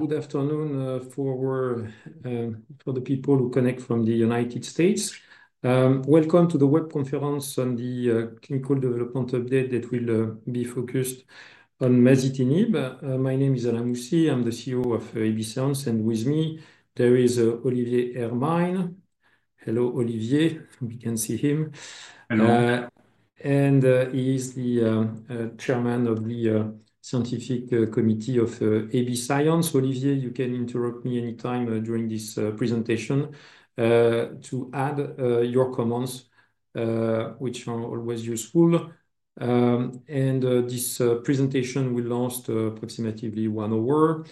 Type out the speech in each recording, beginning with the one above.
Good afternoon for the people who connect from the United States. Welcome to the web conference on the clinical development update that will be focused on masitinib. My name is Alain Moussy. I'm the CEO of AB Science, and with me, there is Olivier Hermine. Hello, Olivier. We can see him. Hello. And he is the chairman of the Scientific Committee of AB Science. Olivier, you can interrupt me anytime during this presentation to add your comments, which are always useful. And this presentation will last approximately one hour.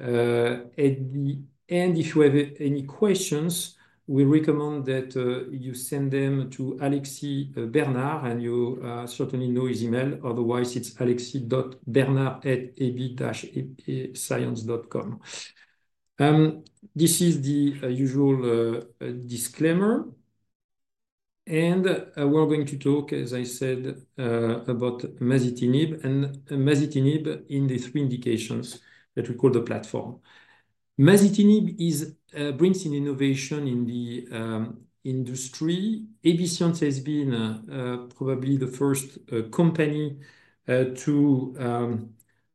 At the end, if you have any questions, we recommend that you send them to Alexis Bernard, and you certainly know his email. Otherwise, it's alexis.bernard@ab-science.com. This is the usual disclaimer. And we're going to talk, as I said, about masitinib and masitinib in the three indications that we call the platform. Masitinib brings in innovation in the industry. AB Science has been probably the first company to,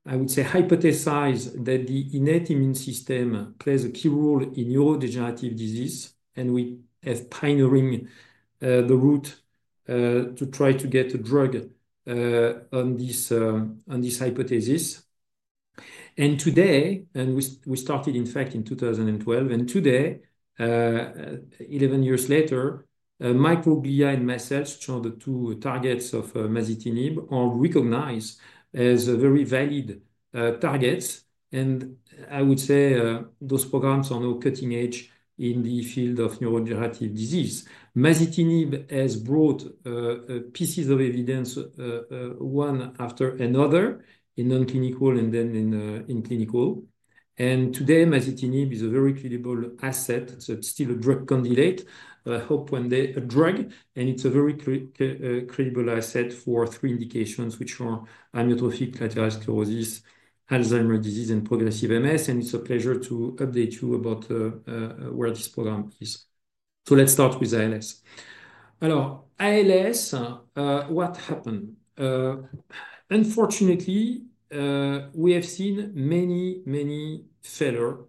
I would say, hypothesize that the innate immune system plays a key role in neurodegenerative disease. And we have pioneering the route to try to get a drug on this hypothesis. And today, and we started, in fact, in 2012, and today, 11 years later, microglia and mast cells, which are the two targets of masitinib, are recognized as very valid targets. And I would say those programs are now cutting edge in the field of neurodegenerative disease. Masitinib has brought pieces of evidence one after another in non-clinical and then in clinical. And today, masitinib is a very credible asset. It's still a drug candidate, but I hope one day a drug. And it's a very credible asset for three indications, which are amyotrophic lateral sclerosis, Alzheimer's disease, and progressive MS. And it's a pleasure to update you about where this program is. So let's start with ALS. Alors, ALS, what happened? Unfortunately, we have seen many, many failures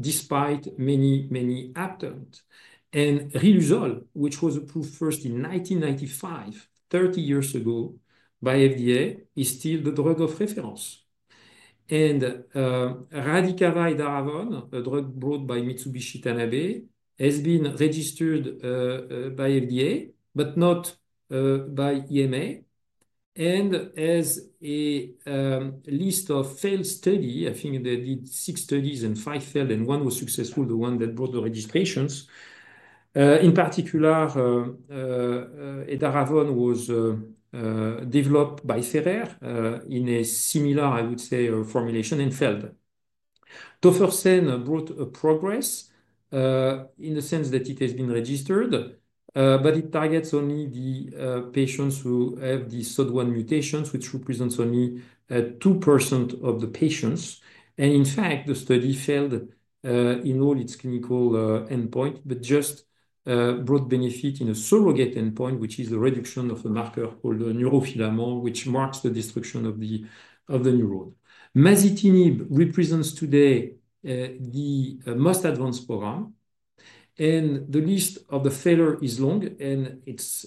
despite many, many attempts. Riluzole, which was approved first in 1995, 30 years ago by FDA, is still the drug of reference. Radicava edaravone, a drug brought by Mitsubishi Tanabe, has been registered by FDA, but not by EMA. As a list of failed studies, I think they did six studies and five failed, and one was successful, the one that brought the registrations. In particular, edaravone was developed by Ferrer in a similar, I would say, formulation and failed. Tofersen brought progress in the sense that it has been registered, but it targets only the patients who have the SOD1 mutations, which represents only 2% of the patients. In fact, the study failed in all its clinical endpoints, but just brought benefit in a surrogate endpoint, which is the reduction of a marker called neurofilament, which marks the destruction of the neuron. Masitinib represents today the most advanced program. The list of the failure is long, and it's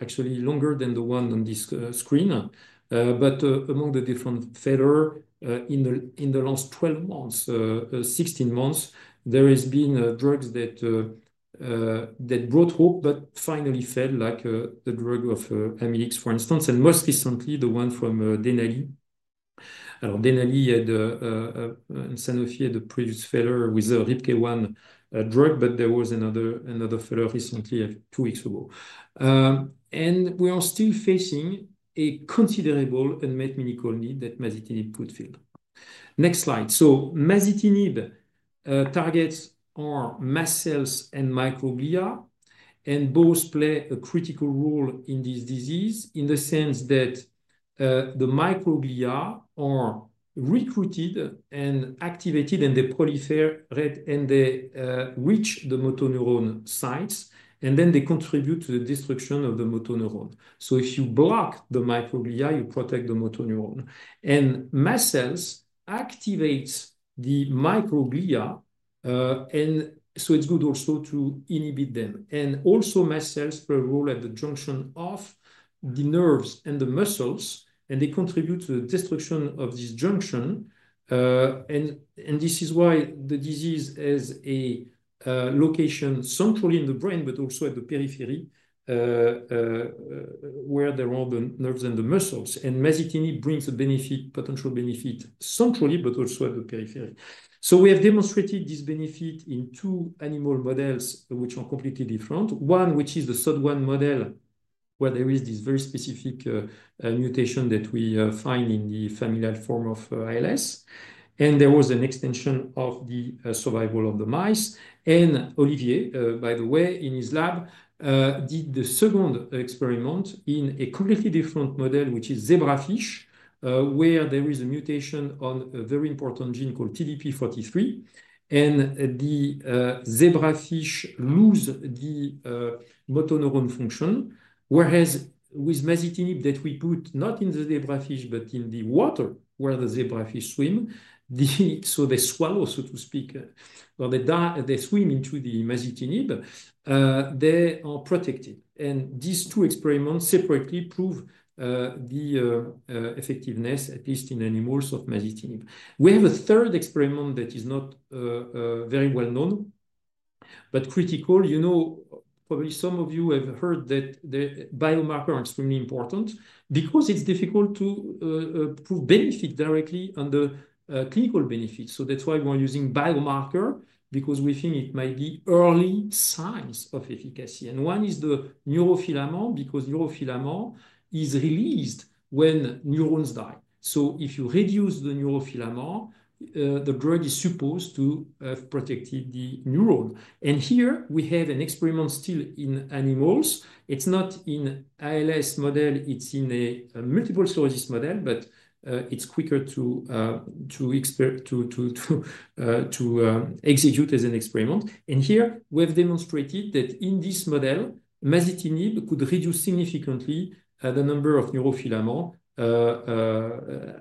actually longer than the one on this screen. Among the different failures in the last 12 months, 16 months, there have been drugs that brought hope but finally failed, like the drug of Amylyx, for instance, and most recently, the one from Denali. Alors, Denali and Sanofi had a previous failure with a RIPK1 drug, but there was another failure recently, two weeks ago. We are still facing a considerable unmet clinical need that masitinib could fill. Next slide. Masitinib targets our mast cells and microglia, and both play a critical role in this disease in the sense that the microglia are recruited and activated, and they proliferate and they reach the motor neuron sites, and then they contribute to the destruction of the motor neuron. If you block the microglia, you protect the motor neuron. And mast cells activate the microglia, and so it's good also to inhibit them. And also, mast cells play a role at the junction of the nerves and the muscles, and they contribute to the destruction of this junction. And this is why the disease has a location centrally in the brain, but also at the periphery where there are the nerves and the muscles. And masitinib brings a benefit, potential benefit centrally, but also at the periphery. So we have demonstrated this benefit in two animal models which are completely different. One, which is the SOD1 model, where there is this very specific mutation that we find in the familial form of ALS. And there was an extension of the survival of the mice. Olivier, by the way, in his lab, did the second experiment in a completely different model, which is zebrafish, where there is a mutation on a very important gene called TDP-43. The zebrafish lose the motor neuron function, whereas with masitinib that we put not in the zebrafish, but in the water where the zebrafish swim, so they swallow, so to speak, or they swim into the masitinib, they are protected. These two experiments separately prove the effectiveness, at least in animals, of masitinib. We have a third experiment that is not very well known, but critical. You know, probably some of you have heard that the biomarker is extremely important because it's difficult to prove benefit directly on the clinical benefit. So that's why we're using biomarker, because we think it might be early signs of efficacy. And one is the neurofilament, because neurofilament is released when neurons die. So if you reduce the neurofilament, the drug is supposed to have protected the neuron. And here, we have an experiment still in animals. It's not in ALS model. It's in a multiple sclerosis model, but it's quicker to execute as an experiment. And here, we have demonstrated that in this model, masitinib could reduce significantly the number of neurofilament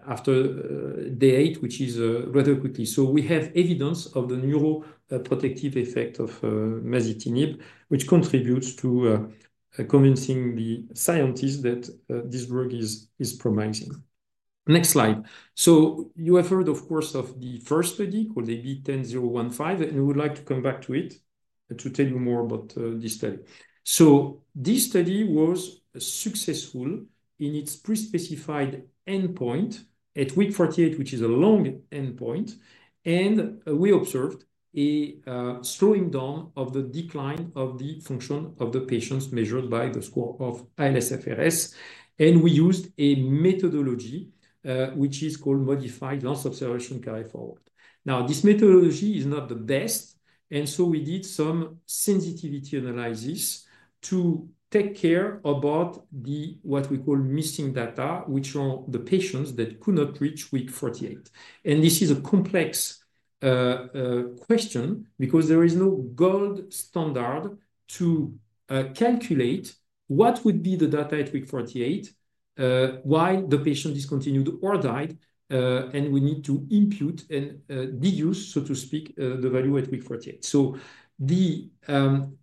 after day eight, which is rather quickly. So we have evidence of the neuroprotective effect of masitinib, which contributes to convincing the scientists that this drug is promising. Next slide. So you have heard, of course, of the first study called AB10015, and we would like to come back to it to tell you more about this study. So this study was successful in its pre-specified endpoint at week 48, which is a long endpoint. We observed a slowing down of the decline of the function of the patients measured by the score of ALS-FRS. We used a methodology which is called modified last observation carried forward. Now, this methodology is not the best. So we did some sensitivity analysis to take care about what we call missing data, which are the patients that could not reach week 48. This is a complex question because there is no gold standard to calculate what would be the data at week 48 while the patient discontinued or died. We need to impute and deduce, so to speak, the value at week 48. The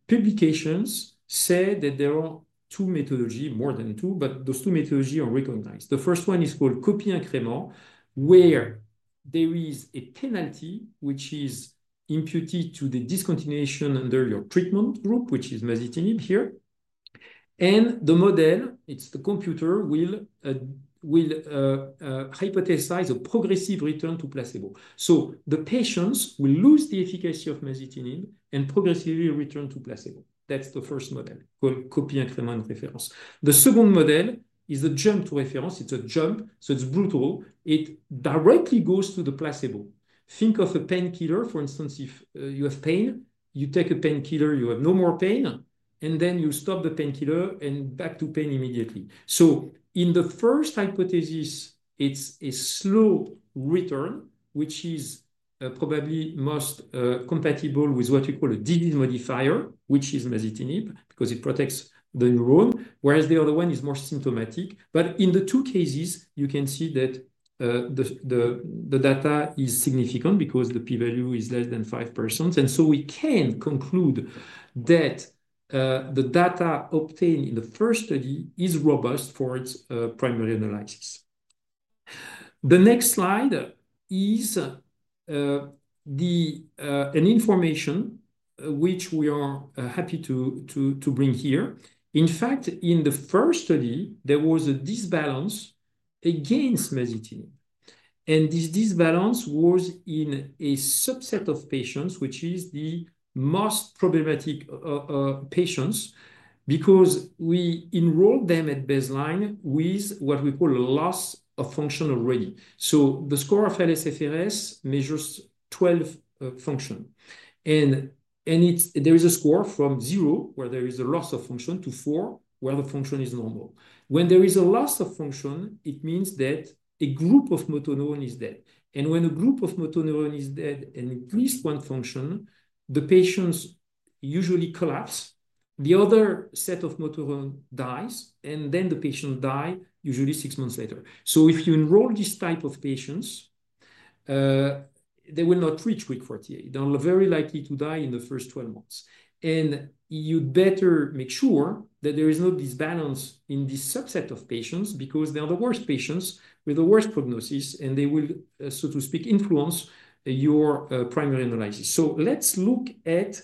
publications say that there are two methodologies, more than two, but those two methodologies are recognized. The first one is called copy increment, where there is a penalty which is imputed to the discontinuation under your treatment group, which is masitinib here, and the model, it's the computer, will hypothesize a progressive return to placebo, so the patients will lose the efficacy of masitinib and progressively return to placebo. That's the first model called copy increment reference. The second model is the jump to reference. It's a jump, so it's brutal. It directly goes to the placebo. Think of a painkiller. For instance, if you have pain, you take a painkiller, you have no more pain, and then you stop the painkiller and back to pain immediately, so in the first hypothesis, it's a slow return, which is probably most compatible with what we call a disease modifier, which is masitinib because it protects the neuron, whereas the other one is more symptomatic. But in the two cases, you can see that the data is significant because the p-value is less than 5%. And so we can conclude that the data obtained in the first study is robust for its primary analysis. The next slide is information which we are happy to bring here. In fact, in the first study, there was an imbalance against masitinib. And this imbalance was in a subset of patients, which is the most problematic patients, because we enrolled them at baseline with what we call a loss of function already. So the score of ALS-FRS measures 12 functions. And there is a score from zero, where there is a loss of function, to four, where the function is normal. When there is a loss of function, it means that a group of motor neurons is dead. When a group of motor neurons is dead and at least one function, the patients usually collapse. The other set of motor neurons dies, and then the patients die usually six months later. So if you enroll this type of patients, they will not reach week 48. They're very likely to die in the first 12 months. And you'd better make sure that there is no imbalance in this subset of patients because they are the worst patients with the worst prognosis, and they will, so to speak, influence your primary analysis. So let's look at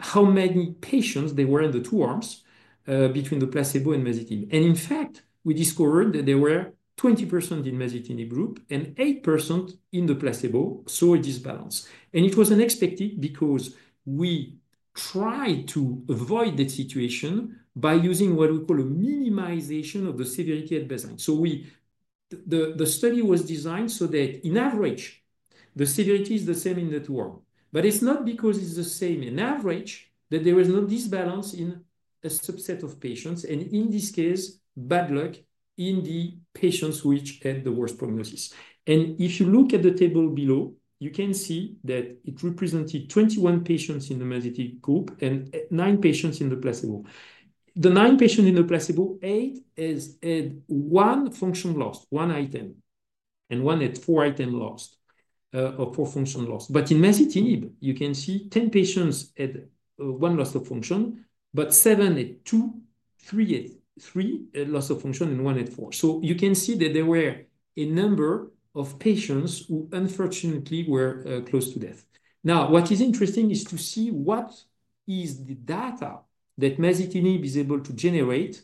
how many patients there were in the two arms between the placebo and masitinib. And in fact, we discovered that there were 20% in masitinib group and 8% in the placebo. So it is balanced. It was unexpected because we tried to avoid that situation by using what we call a minimization of the severity at baseline. The study was designed so that, on average, the severity is the same in the two arms. It's not because it's the same on average that there is no imbalance in a subset of patients. In this case, bad luck in the patients which had the worst prognosis. If you look at the table below, you can see that it represented 21 patients in the masitinib group and nine patients in the placebo. The nine patients in the placebo, eight had one function lost, one item, and one had four items lost or four functions lost. In masitinib, you can see 10 patients had one loss of function, but seven had two, three had three loss of function, and one had four. So you can see that there were a number of patients who unfortunately were close to death. Now, what is interesting is to see what is the data that masitinib is able to generate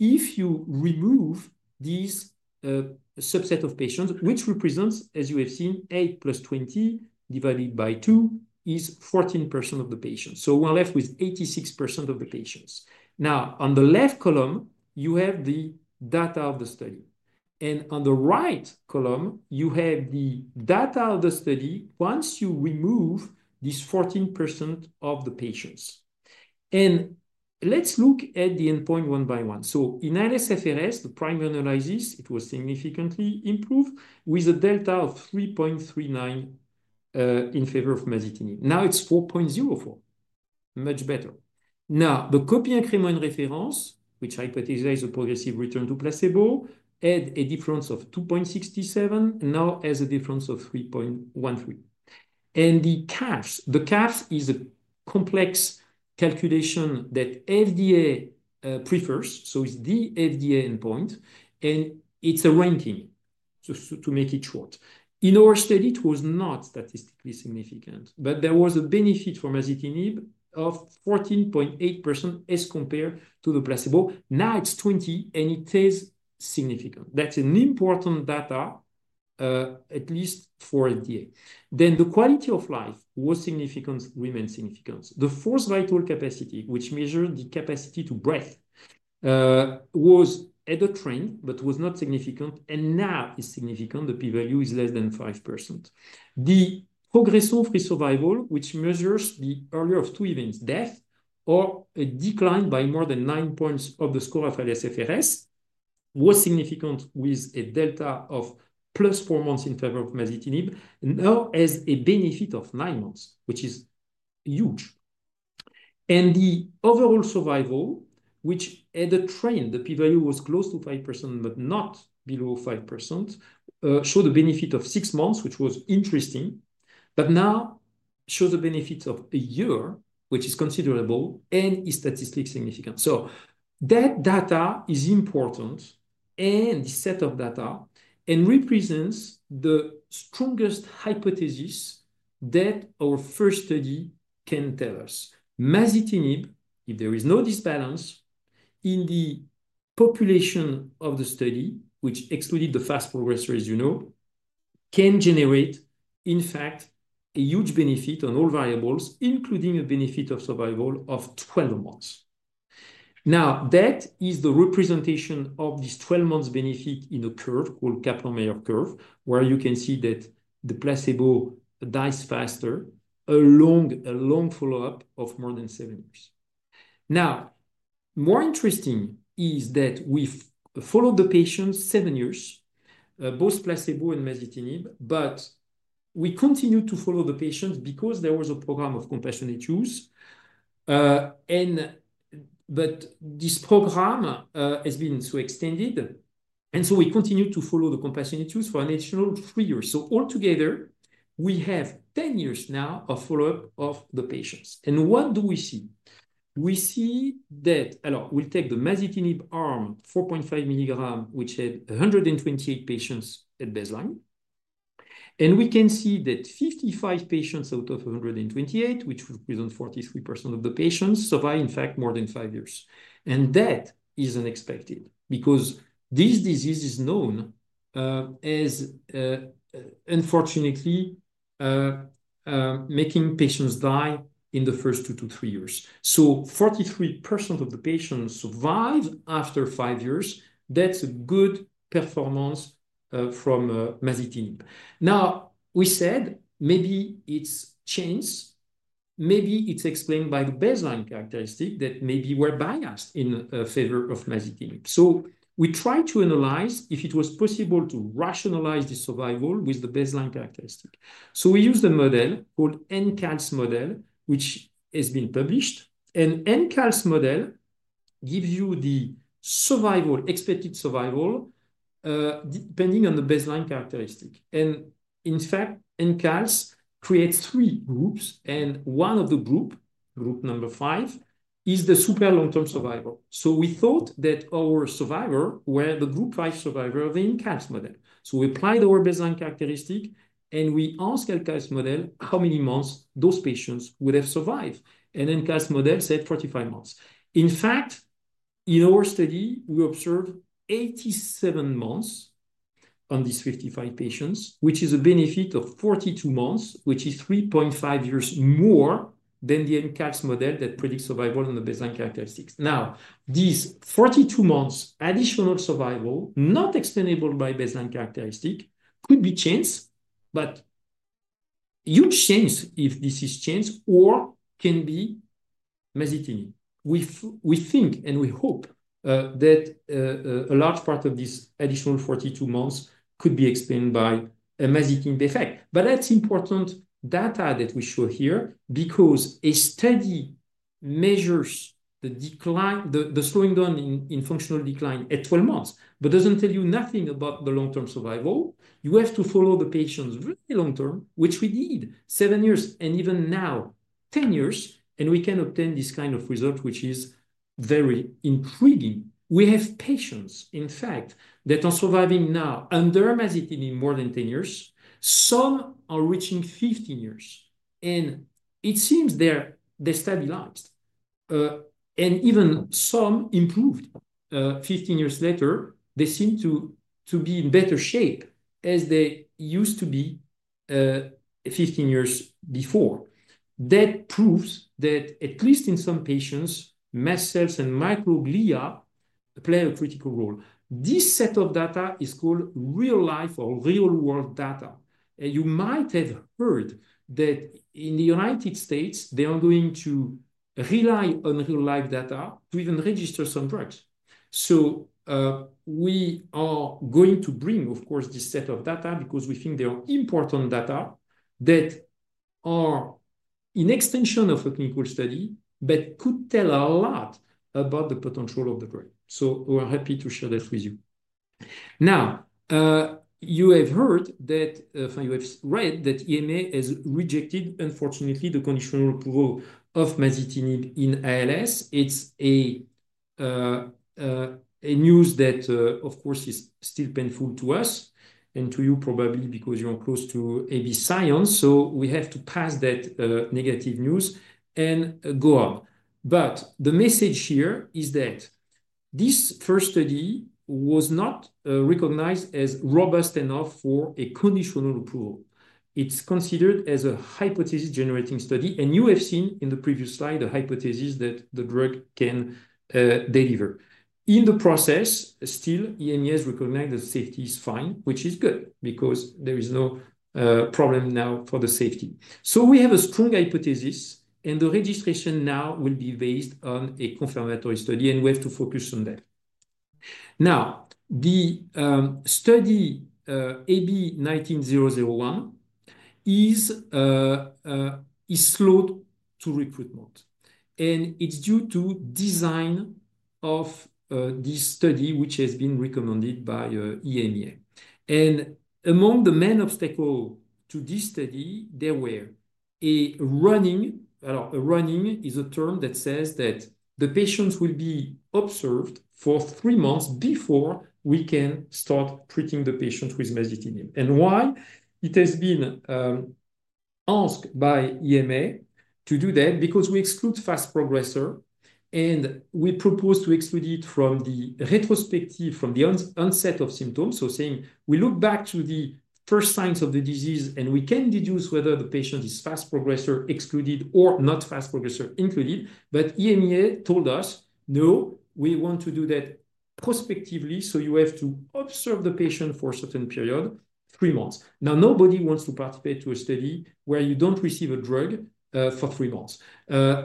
if you remove this subset of patients, which represents, as you have seen, 8 + 20 divided by 2 is 14% of the patients. So we're left with 86% of the patients. Now, on the left column, you have the data of the study. And on the right column, you have the data of the study once you remove this 14% of the patients. And let's look at the endpoint one by one. So in ALS-FRS, the primary analysis, it was significantly improved with a delta of 3.39 in favor of masitinib. Now it's 4.04, much better. Now, the Copy Increment Reference, which hypothesized a progressive return to placebo, had a difference of 2.67, and now has a difference of 3.13. And the CAFS, the CAFS is a complex calculation that FDA prefers. So it's the FDA endpoint, and it's a ranking, so to make it short. In our study, it was not statistically significant, but there was a benefit for masitinib of 14.8% as compared to the placebo. Now it's 20%, and it is significant. That's an important data, at least for FDA. Then the quality of life was significant, remains significant. The forced vital capacity, which measured the capacity to breathe, was at a trend but was not significant, and now is significant. The p-value is less than 5%. The CAFS, which measures the earlier of two events, death or a decline by more than 9 points of the score of ALS-FRS, was significant with a delta of +4 months in favor of masitinib, now has a benefit of 9 months, which is huge, and the overall survival, which had a trend, the p-value was close to 5% but not below 5%, showed a benefit of 6 months, which was interesting, but now shows a benefit of a year, which is considerable and is statistically significant, so that data is important and the set of data represents the strongest hypothesis that our first study can tell us. Masitinib, if there is no imbalance in the population of the study, which excluded the fast progressors, you know, can generate, in fact, a huge benefit on all variables, including a benefit of survival of 12 months. Now, that is the representation of this 12-month benefit in a curve called Kaplan-Meier curve, where you can see that the placebo dies faster along a long follow-up of more than seven years. Now, more interesting is that we followed the patients seven years, both placebo and masitinib, but we continued to follow the patients because there was a program of compassionate use, but this program has been so extended, and so we continued to follow the compassionate use for an additional three years, so altogether, we have 10 years now of follow-up of the patients, and what do we see? We see that, well, we'll take the masitinib arm, 4.5 mg, which had 128 patients at baseline. And we can see that 55 patients out of 128, which represents 43% of the patients, survived, in fact, more than five years. That is unexpected because this disease is known as, unfortunately, making patients die in the first two to three years, so 43% of the patients survive after five years. That's a good performance from masitinib. Now, we said maybe it's changed. Maybe it's explained by the baseline characteristic that maybe we're biased in favor of masitinib, so we try to analyze if it was possible to rationalize the survival with the baseline characteristic. We use the model called ENCALS model, which has been published, and ENCALS model gives you the survival, expected survival, depending on the baseline characteristic. In fact, ENCALS creates three groups, and one of the groups, group number five, is the super long-term survival, so we thought that our survivor were the group five survivor of the ENCALS model. We applied our baseline characteristic, and we asked ENCALS model how many months those patients would have survived. ENCALS model said 45 months. In fact, in our study, we observed 87 months on these 55 patients, which is a benefit of 42 months, which is 3.5 years more than the ENCALS model that predicts survival on the baseline characteristics. Now, these 42 months additional survival, not explainable by baseline characteristic, could be changed, but huge change if this is changed or can be masitinib. We think and we hope that a large part of this additional 42 months could be explained by a masitinib effect. That's important data that we show here because a study measures the decline, the slowing down in functional decline at 12 months, but doesn't tell you nothing about the long-term survival. You have to follow the patients very long-term, which we did seven years, and even now 10 years, and we can obtain this kind of result, which is very intriguing. We have patients, in fact, that are surviving now under masitinib in more than 10 years. Some are reaching 15 years, and it seems they're stabilized, and even some improved 15 years later. They seem to be in better shape as they used to be 15 years before. That proves that at least in some patients, mast cells and microglia play a critical role. This set of data is called real-life or real-world data, and you might have heard that in the United States, they are going to rely on real-life data to even register some drugs. So we are going to bring, of course, this set of data because we think they are important data that are in extension of a clinical study that could tell a lot about the potential of the drug. So we're happy to share this with you. Now, you have heard that, you have read that EMA has rejected, unfortunately, the conditional approval of masitinib in ALS. It's a news that, of course, is still painful to us and to you probably because you're close to AB Science. So we have to pass that negative news and go on. But the message here is that this first study was not recognized as robust enough for a conditional approval. It's considered as a hypothesis-generating study. And you have seen in the previous slide the hypothesis that the drug can deliver. In the process, still, EMA has recognized that safety is fine, which is good because there is no problem now for the safety. So we have a strong hypothesis, and the registration now will be based on a confirmatory study, and we have to focus on that. Now, the study AB 19001 is slowed to recruitment, and it's due to the design of this study, which has been recommended by EMA. Among the main obstacles to this study, there were a run-in, well, a run-in is a term that says that the patients will be observed for three months before we can start treating the patients with masitinib. And why? It has been asked by EMA to do that because we exclude fast progressor, and we propose to exclude it from the retrospective, from the onset of symptoms. So, saying we look back to the first signs of the disease, and we can deduce whether the patient is fast progressor excluded or not fast progressor included. But EMA told us, no, we want to do that prospectively. So you have to observe the patient for a certain period, three months. Now, nobody wants to participate in a study where you don't receive a drug for three months.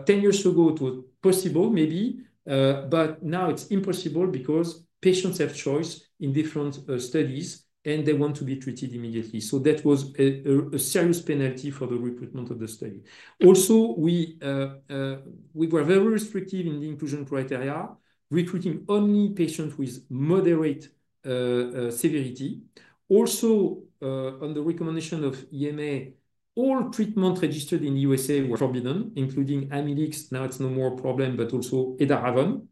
Ten years ago it was possible, maybe, but now it's impossible because patients have choice in different studies, and they want to be treated immediately. So that was a serious penalty for the recruitment of the study. Also, we were very restrictive in the inclusion criteria, recruiting only patients with moderate severity. Also, on the recommendation of EMA, all treatments registered in the USA were forbidden, including Amylyx. Now it's no more problem, but also edaravone.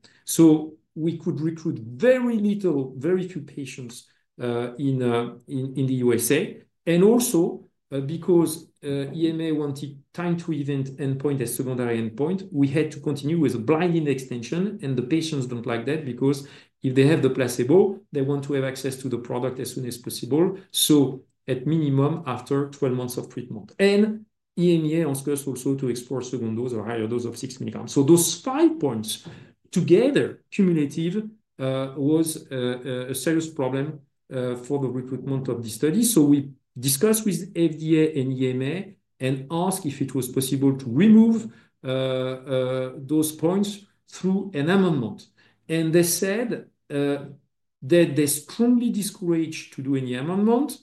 We could recruit very little, very few patients in the USA. And also, because EMA wanted time to event endpoint as secondary endpoint, we had to continue with a blinding extension, and the patients don't like that because if they have the placebo, they want to have access to the product as soon as possible. So at minimum, after 12 months of treatment. And EMA asked us also to explore a second dose or higher dose of six milligrams. So those five points together, cumulative, was a serious problem for the recruitment of this study. So we discussed with FDA and EMA and asked if it was possible to remove those points through an amendment. And they said that they strongly discouraged doing the amendment.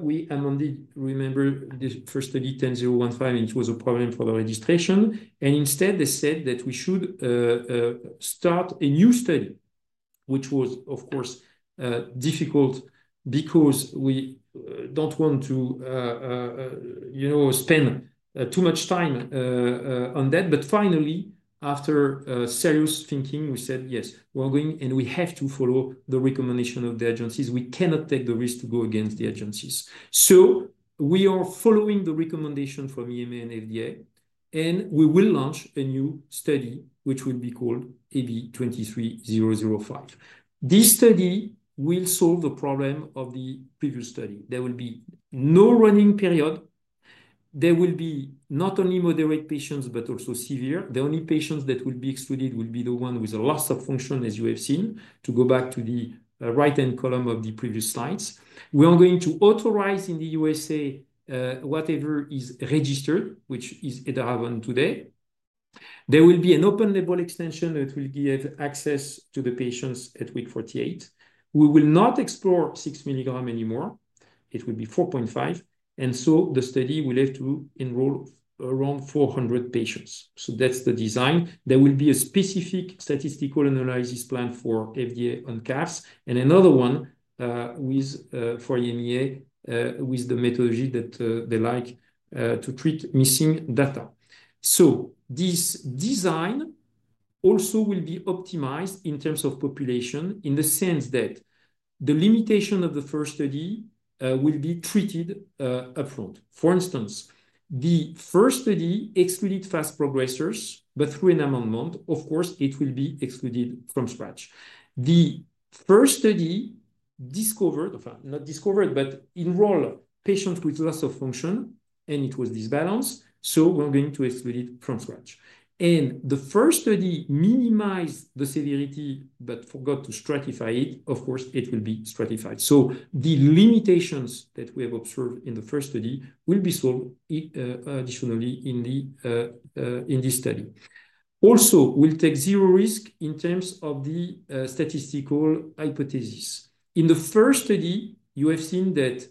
We amended, remember, the first study 10015, and it was a problem for the registration. Instead, they said that we should start a new study, which was, of course, difficult because we don't want to spend too much time on that. Finally, after serious thinking, we said, yes, we're going, and we have to follow the recommendation of the agencies. We cannot take the risk to go against the agencies. We are following the recommendation from EMA and FDA, and we will launch a new study, which will be called AB 23005. This study will solve the problem of the previous study. There will be no running period. There will be not only moderate patients, but also severe. The only patients that will be excluded will be the one with a loss of function, as you have seen, to go back to the right-hand column of the previous slides. We are going to authorize in the USA whatever is registered, which is edaravone today. There will be an open label extension that will give access to the patients at week 48. We will not explore 6 mg anymore. It will be 4.5. And so the study will have to enroll around 400 patients. So that's the design. There will be a specific statistical analysis plan for FDA on CAFS and another one for EMA with the methodology that they like to treat missing data. So this design also will be optimized in terms of population in the sense that the limitation of the first study will be treated upfront. For instance, the first study excluded fast progressors, but through an amendment, of course, it will be excluded from scratch. The first study enrolled patients with loss of function, and it was imbalanced. So we're going to exclude it from scratch. And the first study minimized the severity but forgot to stratify it. Of course, it will be stratified. So the limitations that we have observed in the first study will be solved additionally in this study. Also, we'll take zero risk in terms of the statistical hypothesis. In the first study, you have seen that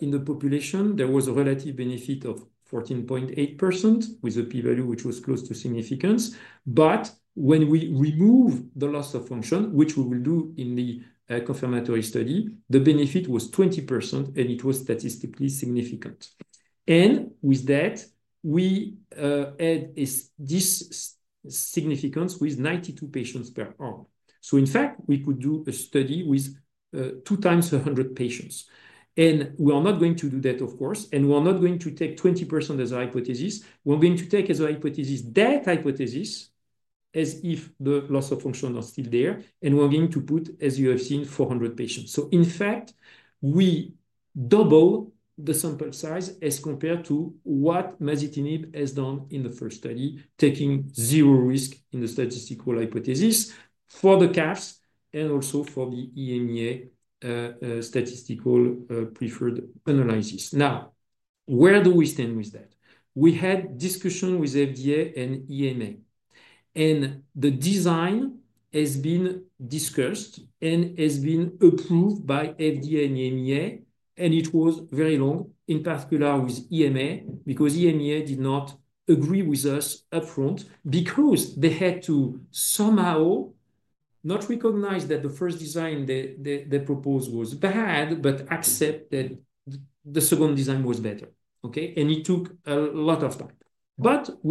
in the population, there was a relative benefit of 14.8% with a p-value which was close to significance. But when we remove the loss of function, which we will do in the confirmatory study, the benefit was 20%, and it was statistically significant. And with that, we add this significance with 92 patients per arm. So in fact, we could do a study with two times 100 patients. And we are not going to do that, of course. And we are not going to take 20% as a hypothesis. We're going to take as a hypothesis that hypothesis as if the loss of function was still there. And we're going to put, as you have seen, 400 patients. So in fact, we double the sample size as compared to what masitinib has done in the first study, taking zero risk in the statistical hypothesis for the CAFS and also for the EMA statistical preferred analysis. Now, where do we stand with that? We had discussion with FDA and EMA. And the design has been discussed and has been approved by FDA and EMA. And it was very long, in particular with EMA, because EMA did not agree with us upfront because they had to somehow not recognize that the first design they proposed was bad, but accept that the second design was better. Okay? It took a lot of time.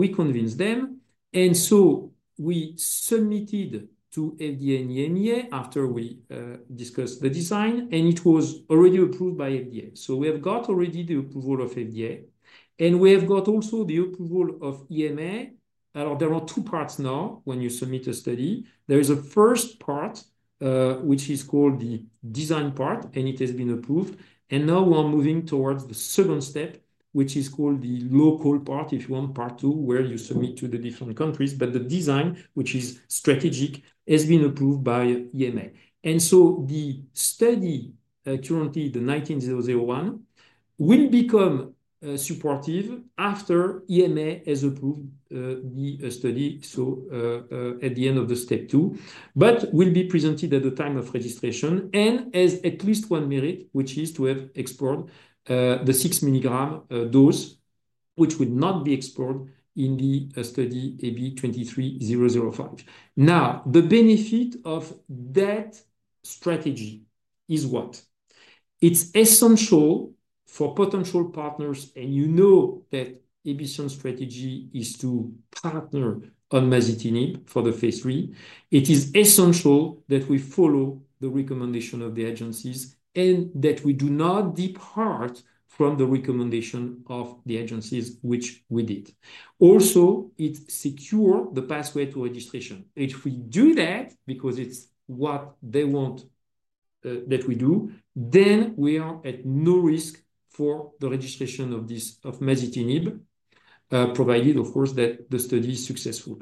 We convinced them. We submitted to FDA and EMA after we discussed the design, and it was already approved by FDA. We have got already the approval of FDA, and we have got also the approval of EMA. There are two parts now when you submit a study. There is a first part, which is called the design part, and it has been approved. Now we are moving towards the second step, which is called the local part, if you want, part two, where you submit to the different countries. The design, which is strategic, has been approved by EMA. The study, currently the 19001, will become supportive after EMA has approved the study. At the end of the step two, but will be presented at the time of registration and has at least one merit, which is to have explored the 6 mg dose, which would not be explored in the study AB23005. Now, the benefit of that strategy is what? It's essential for potential partners, and you know that AB Science strategy is to partner on masitinib for the phase III. It is essential that we follow the recommendation of the agencies and that we do not depart from the recommendation of the agencies, which we did. Also, it secures the pathway to registration. If we do that because it's what they want that we do, then we are at no risk for the registration of masitinib, provided, of course, that the study is successful.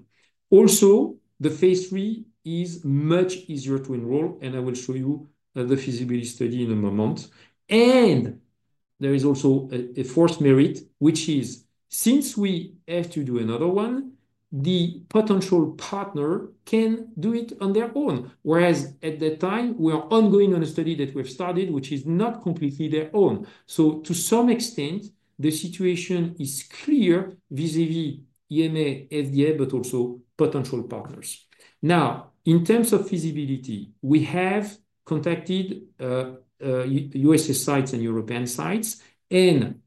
Also, the phase III is much easier to enroll, and I will show you the feasibility study in a moment, and there is also a fourth merit, which is since we have to do another one, the potential partner can do it on their own, whereas at that time, we are ongoing on a study that we have started, which is not completely their own, so to some extent, the situation is clear vis-à-vis EMA, FDA, but also potential partners. Now, in terms of feasibility, we have contacted USA sites and European sites, and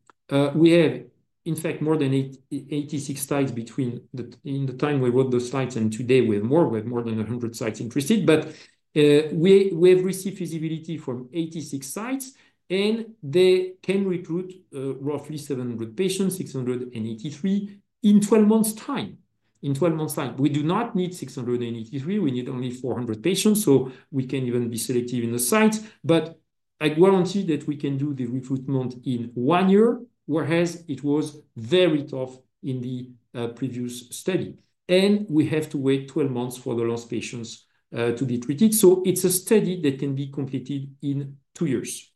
we have, in fact, more than 86 sites between the time we wrote the slides and today, we have more. We have more than 100 sites interested, but we have received feasibility from 86 sites, and they can recruit roughly 700 patients, 683 in 12 months' time. In 12 months' time, we do not need 683. We need only 400 patients, so we can even be selective in the sites, but I guarantee that we can do the recruitment in one year, whereas it was very tough in the previous study, and we have to wait 12 months for the last patients to be treated, so it's a study that can be completed in two years.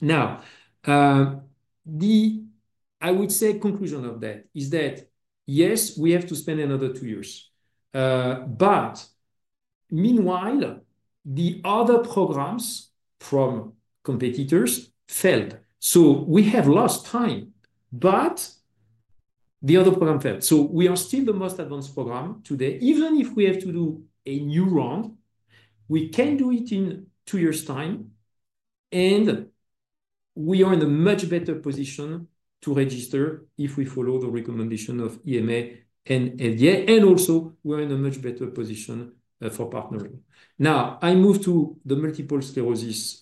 Now, the, I would say, conclusion of that is that, yes, we have to spend another two years, but meanwhile, the other programs from competitors failed, so we have lost time, but the other program failed, so we are still the most advanced program today. Even if we have to do a new round, we can do it in two years' time, and we are in a much better position to register if we follow the recommendation of EMA and FDA. Also, we're in a much better position for partnering. Now, I move to the multiple sclerosis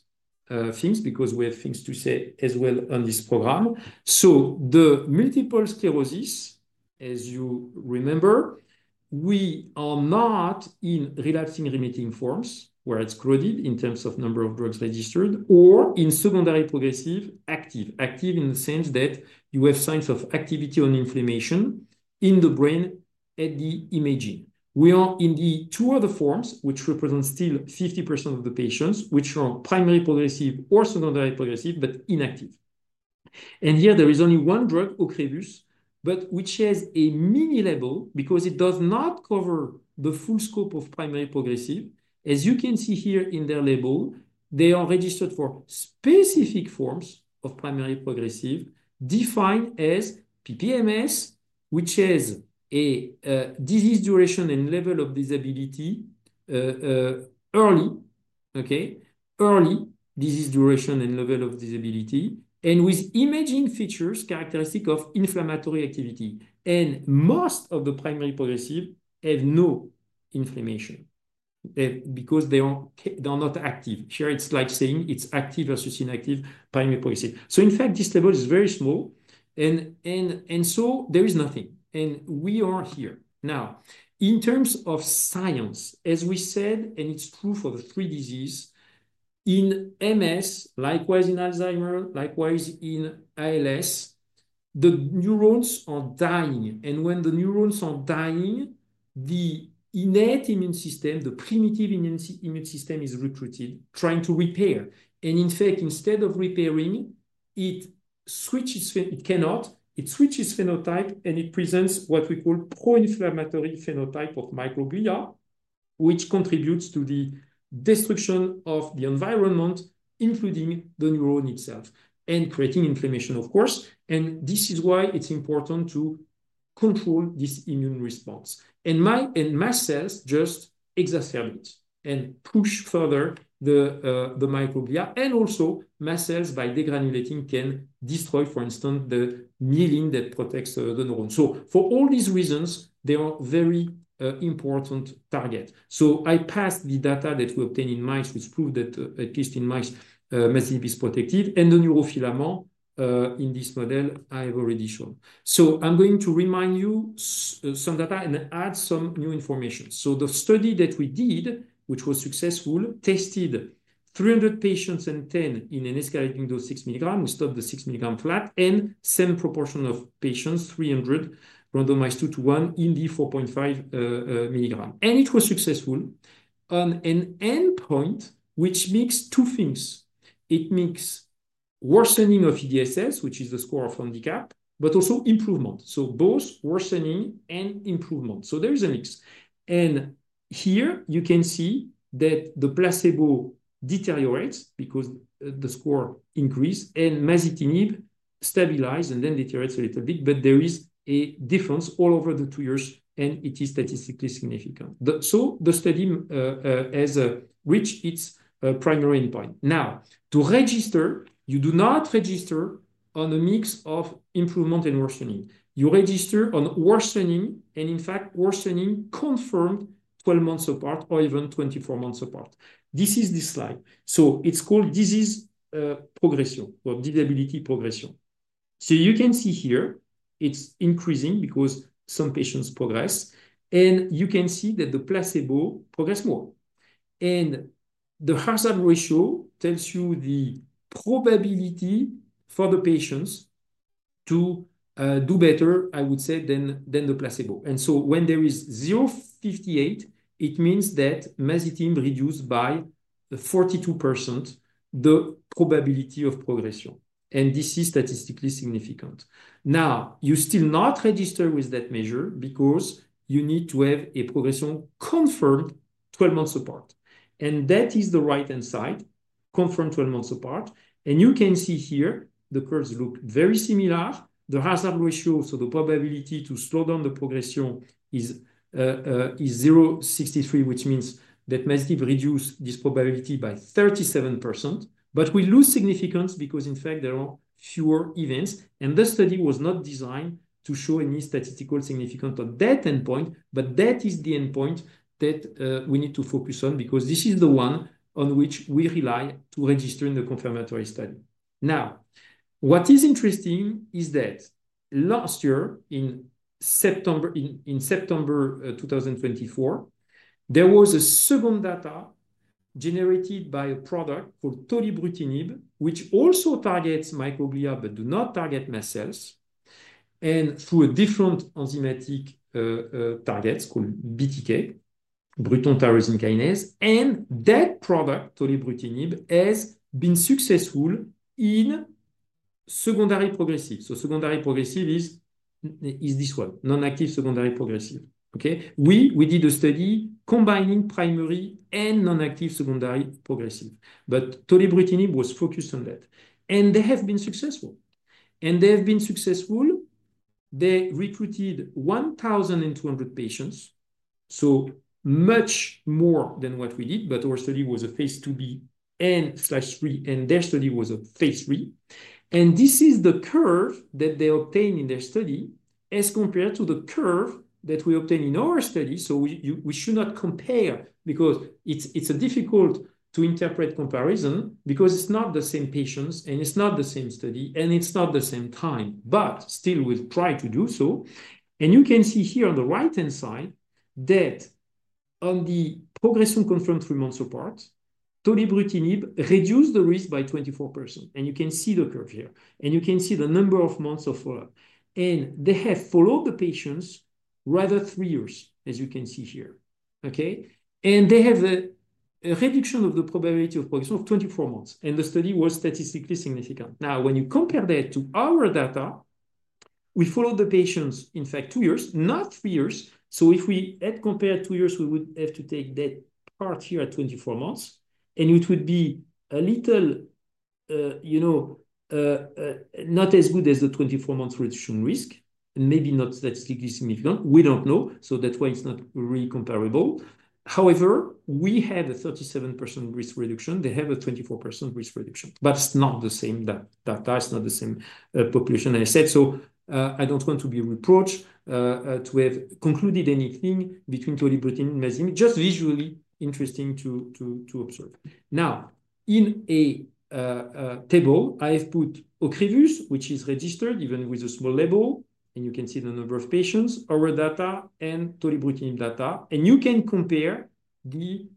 things because we have things to say as well on this program. The multiple sclerosis, as you remember, we are not in relapsing remitting forms where it's crowded in terms of number of drugs registered or in secondary progressive active. Active in the sense that you have signs of activity on inflammation in the brain at the imaging. We are in the two other forms, which represent still 50% of the patients, which are primary progressive or secondary progressive, but inactive. Here, there is only one drug, Ocrevus, but which has a mini label because it does not cover the full scope of primary progressive. As you can see here in their label, they are registered for specific forms of primary progressive defined as PPMS, which is a disease duration and level of disability early, okay? Early disease duration and level of disability, and with imaging features characteristic of inflammatory activity, and most of the primary progressive have no inflammation because they are not active. Here, it's like saying it's active versus inactive primary progressive, so in fact, this table is very small, and so there is nothing, and we are here. Now, in terms of science, as we said, and it's true for the three diseases, in MS, likewise in Alzheimer's, likewise in ALS, the neurons are dying, and when the neurons are dying, the innate immune system, the primitive immune system is recruited, trying to repair, and in fact, instead of repairing, it switches phenotype. It presents what we call pro-inflammatory phenotype of microglia, which contributes to the destruction of the environment, including the neuron itself, and creating inflammation, of course. This is why it's important to control this immune response. Mast cells just exacerbate and push further the microglia. Also, mast cells, by degranulating, can destroy, for instance, the myelin that protects the neurons. For all these reasons, they are very important targets. I passed the data that we obtained in mice, which proved that at least in mice, masitinib is protected. The neurofilament in this model, I have already shown. I'm going to remind you of some data and add some new information. The study that we did, which was successful, tested 300 patients and 10 in an escalating dose 6 mg. We stopped the 6 mg flat and same proportion of patients, 300 randomized two to one in the 4.5 mg. And it was successful on an endpoint, which makes two things. It makes worsening of EDSS, which is the score of handicap, but also improvement. So both worsening and improvement. So there is a mix. And here, you can see that the placebo deteriorates because the score increases, and masitinib stabilizes and then deteriorates a little bit. But there is a difference all over the two years, and it is statistically significant. So the study has reached its primary endpoint. Now, to register, you do not register on a mix of improvement and worsening. You register on worsening, and in fact, worsening confirmed 12 months apart or even 24 months apart. This is the slide. So it's called disease progression or disability progression. So you can see here, it's increasing because some patients progress, and you can see that the placebo progresses more. And the hazard ratio tells you the probability for the patients to do better, I would say, than the placebo. And so when there is 0.58, it means that masitinib reduces by 42% the probability of progression. And this is statistically significant. Now, you still do not register with that measure because you need to have a progression confirmed 12 months apart. And that is the right-hand side, confirmed 12 months apart. And you can see here, the curves look very similar. The hazard ratio, so the probability to slow down the progression is 0.63, which means that masitinib reduces this probability by 37%. But we lose significance because, in fact, there are fewer events. This study was not designed to show any statistical significance on that endpoint, but that is the endpoint that we need to focus on because this is the one on which we rely to register in the confirmatory study. Now, what is interesting is that last year, in September 2024, there was a second data generated by a product called tolebrutinib, which also targets microglia but does not target mast cells, and through a different enzymatic target called BTK, Bruton's Tyrosine Kinase. And that product, tolebrutinib, has been successful in secondary progressive. So secondary progressive is this one, non-active secondary progressive. Okay? We did a study combining primary and non-active secondary progressive. But tolebrutinib was focused on that. And they have been successful. And they have been successful. They recruited 1,200 patients, so much more than what we did, but our study was a phase II-B/III, and their study was a phase III, and this is the curve that they obtained in their study as compared to the curve that we obtained in our study, so we should not compare because it's difficult to interpret comparison because it's not the same patients, and it's not the same study, and it's not the same time, but still, we'll try to do so, and you can see here on the right-hand side that on the progression confirmed three months apart, tolebrutinib reduced the risk by 24%, and you can see the curve here, and you can see the number of months of follow-up, and they have followed the patients rather three years, as you can see here. Okay? They have a reduction of the probability of progression of 24 months. The study was statistically significant. Now, when you compare that to our data, we followed the patients, in fact, two years, not three years. If we had compared two years, we would have to take that part here at 24 months. It would be a little, you know, not as good as the 24-month reduction risk, and maybe not statistically significant. We don't know. That's why it's not really comparable. However, we have a 37% risk reduction. They have a 24% risk reduction. It's not the same data. It's not the same population, as I said. I don't want to be reproached to have concluded anything between tolebrutinib and masitinib. Just visually interesting to observe. Now, in a table, I have put Ocrevus, which is registered even with a small label. You can see the number of patients, our data, and tolebrutinib data. You can compare the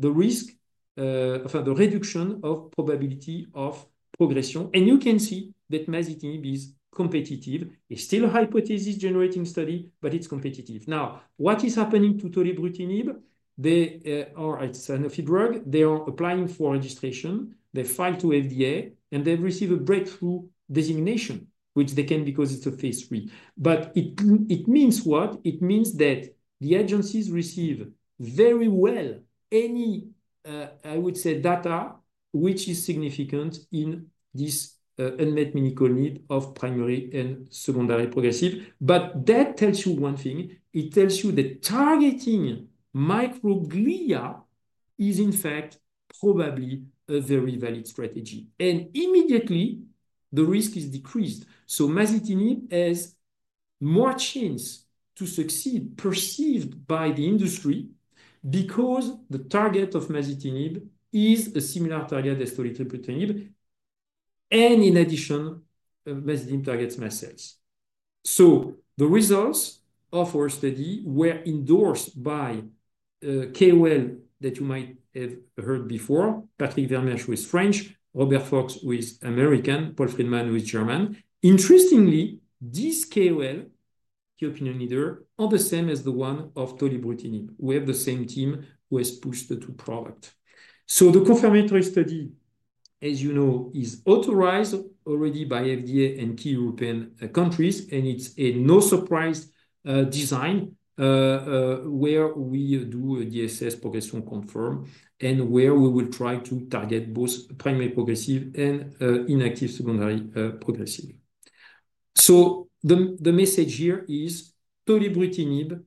risk, the reduction of probability of progression. You can see that masitinib is competitive. It's still a hypothesis-generating study, but it's competitive. Now, what is happening to tolebrutinib? They are a synthetic drug. They are applying for registration. They filed to FDA, and they've received a breakthrough designation, which they can because it's a phase III. It means what? It means that the agencies receive very well any, I would say, data which is significant in this unmet medical need of primary and secondary progressive. That tells you one thing. It tells you that targeting microglia is, in fact, probably a very valid strategy. Immediately, the risk is decreased. Masitinib has more chance to succeed perceived by the industry because the target of masitinib is a similar target as tolebrutinib. And in addition, masitinib targets mast cells. The results of our study were endorsed by KOL that you might have heard before, Patrick Vermersch, who is French, Robert Fox, who is American, Paul Friedemann, who is German. Interestingly, these KOL, key opinion leaders, are the same as the one of tolebrutinib. We have the same team who has pushed the two products. The confirmatory study, as you know, is authorized already by FDA and key European countries. And it's a no-surprise design where we do a EDSS progression confirm and where we will try to target both primary progressive and inactive secondary progressive. The message here is tolebrutinib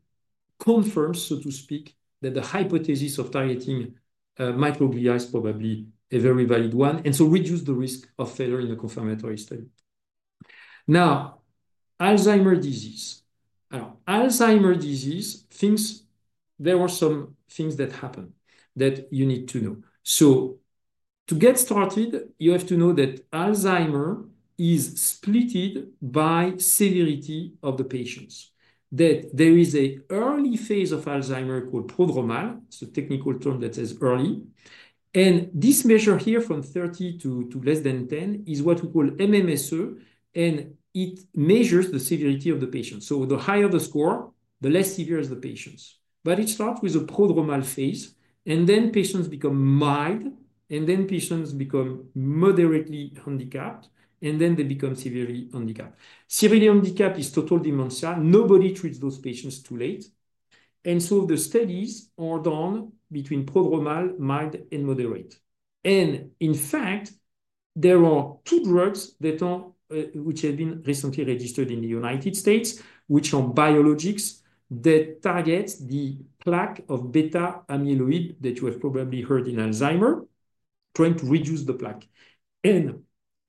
confirms, so to speak, that the hypothesis of targeting microglia is probably a very valid one and so reduces the risk of failure in the confirmatory study. Now, Alzheimer's disease. Alzheimer's disease, there are some things that happen that you need to know. To get started, you have to know that Alzheimer's is split by severity of the patients, that there is an early phase of Alzheimer's called prodromal. It's a technical term that says early. And this measure here from 30 to less than 10 is what we call MMSE. And it measures the severity of the patients. The higher the score, the less severe are the patients. But it starts with a prodromal phase. And then patients become mild, and then patients become moderately handicapped, and then they become severely handicapped. Severely handicapped is total dementia. Nobody treats those patients too late. The studies are done between prodromal, mild, and moderate. In fact, there are two drugs that have been recently registered in the United States, which are biologics that target the plaque of beta-amyloid that you have probably heard in Alzheimer's, trying to reduce the plaque.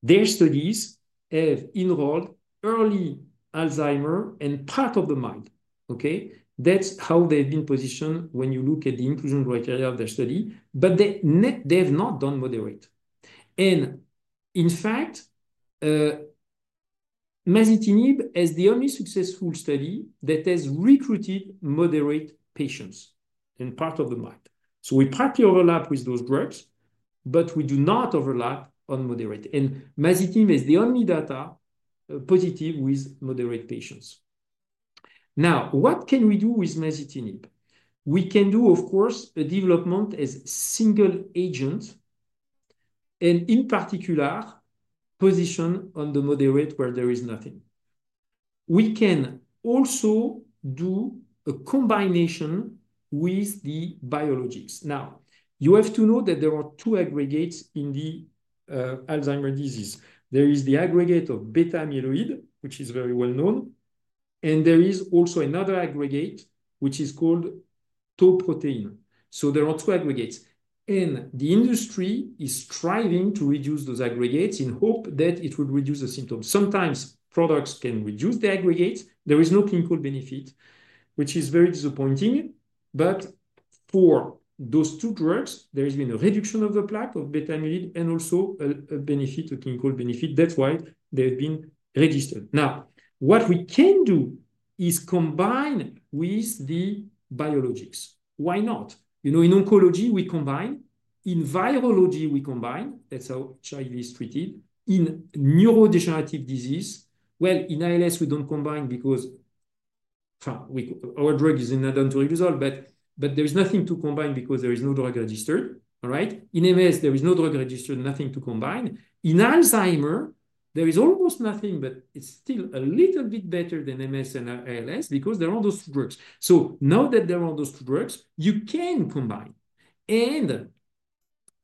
Their studies have enrolled early Alzheimer's and part of the mild. Okay? That's how they've been positioned when you look at the inclusion criteria of the study. They have not done moderate. In fact, masitinib has the only successful study that has recruited moderate patients and part of the mild. We partly overlap with those drugs, but we do not overlap on moderate. Masitinib has the only data positive with moderate patients. Now, what can we do with masitinib? We can do, of course, a development as single agent and, in particular, position on the moderate where there is nothing. We can also do a combination with the biologics. Now, you have to know that there are two aggregates in the Alzheimer's disease. There is the aggregate of beta-amyloid, which is very well known. And there is also another aggregate, which is called tau protein. So there are two aggregates. And the industry is striving to reduce those aggregates in hope that it would reduce the symptoms. Sometimes products can reduce the aggregates. There is no clinical benefit, which is very disappointing. But for those two drugs, there has been a reduction of the plaque of beta-amyloid and also a benefit, a clinical benefit. That's why they have been registered. Now, what we can do is combine with the biologics. Why not? You know, in oncology, we combine. In virology, we combine. That's how HIV is treated. In neurodegenerative disease, well, in ALS, we don't combine because our drug is in an advantageous position, but there is nothing to combine because there is no drug registered. All right? In MS, there is no drug registered, nothing to combine. In Alzheimer's, there is almost nothing, but it's still a little bit better than MS and ALS because there are those two drugs, so now that there are those two drugs, you can combine, and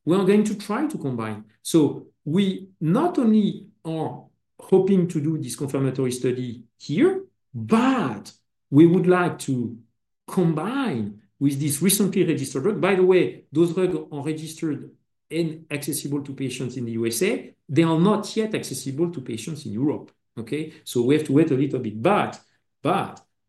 we are going to try to combine, so we not only are hoping to do this confirmatory study here, but we would like to combine with this recently registered drug. By the way, those drugs are registered and accessible to patients in the USA. They are not yet accessible to patients in Europe. Okay, so we have to wait a little bit, but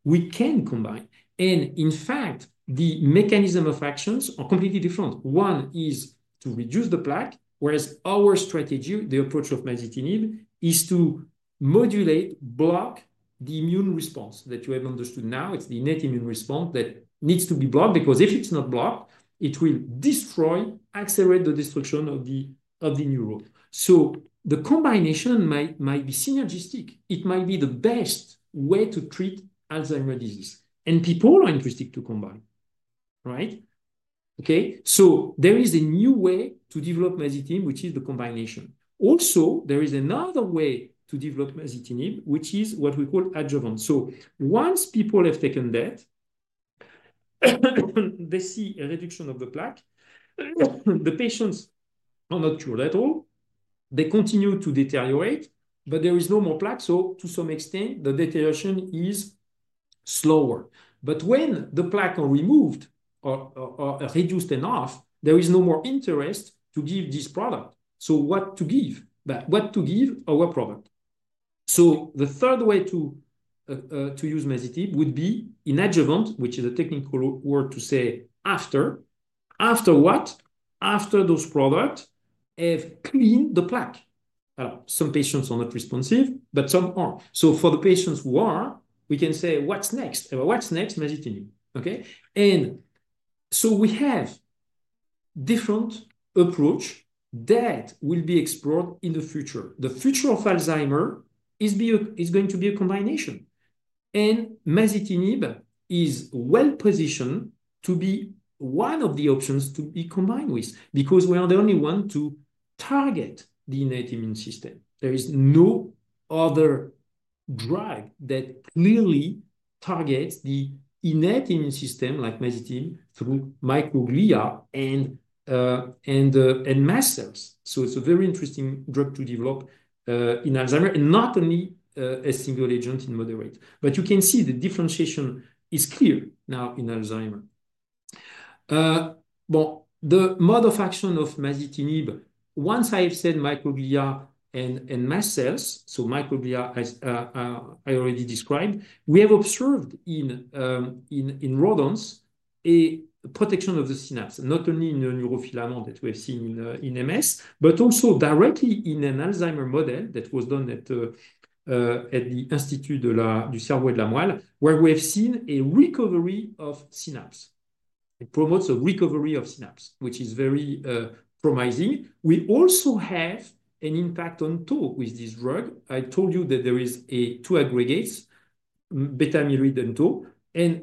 we can combine. In fact, the mechanism of actions are completely different. One is to reduce the plaque, whereas our strategy, the approach of masitinib, is to modulate, block the immune response that you have understood now. It's the innate immune response that needs to be blocked because if it's not blocked, it will destroy, accelerate the destruction of the neuron. The combination might be synergistic. It might be the best way to treat Alzheimer's disease. People are interested to combine. Right? Okay? There is a new way to develop masitinib, which is the combination. Also, there is another way to develop masitinib, which is what we call adjuvant. Once people have taken that, they see a reduction of the plaque. The patients are not cured at all. They continue to deteriorate, but there is no more plaque. To some extent, the deterioration is slower. But when the plaque is removed or reduced enough, there is no more interest to give this product. So what to give? What to give our product? So the third way to use masitinib would be in adjuvant, which is a technical word to say after. After what? After those products have cleaned the plaque. Some patients are not responsive, but some are. So for the patients who are, we can say, what's next? What's next? Masitinib. Okay? And so we have different approaches that will be explored in the future. The future of Alzheimer's is going to be a combination. And masitinib is well positioned to be one of the options to be combined with because we are the only ones to target the innate immune system. There is no other drug that clearly targets the innate immune system like masitinib through microglia and mast cells. It's a very interesting drug to develop in Alzheimer's, and not only a single agent in moderate. You can see the differentiation is clear now in Alzheimer's. The mode of action of masitinib, once I have said microglia and mast cells, so microglia I already described, we have observed in rodents a protection of the synapse, not only in the neurofilament that we have seen in MS, but also directly in an Alzheimer's model that was done at the Institut du Cerveau et de la Moelle, where we have seen a recovery of synapse. It promotes a recovery of synapse, which is very promising. We also have an impact on tau with this drug. I told you that there are two aggregates, beta-amyloid and tau.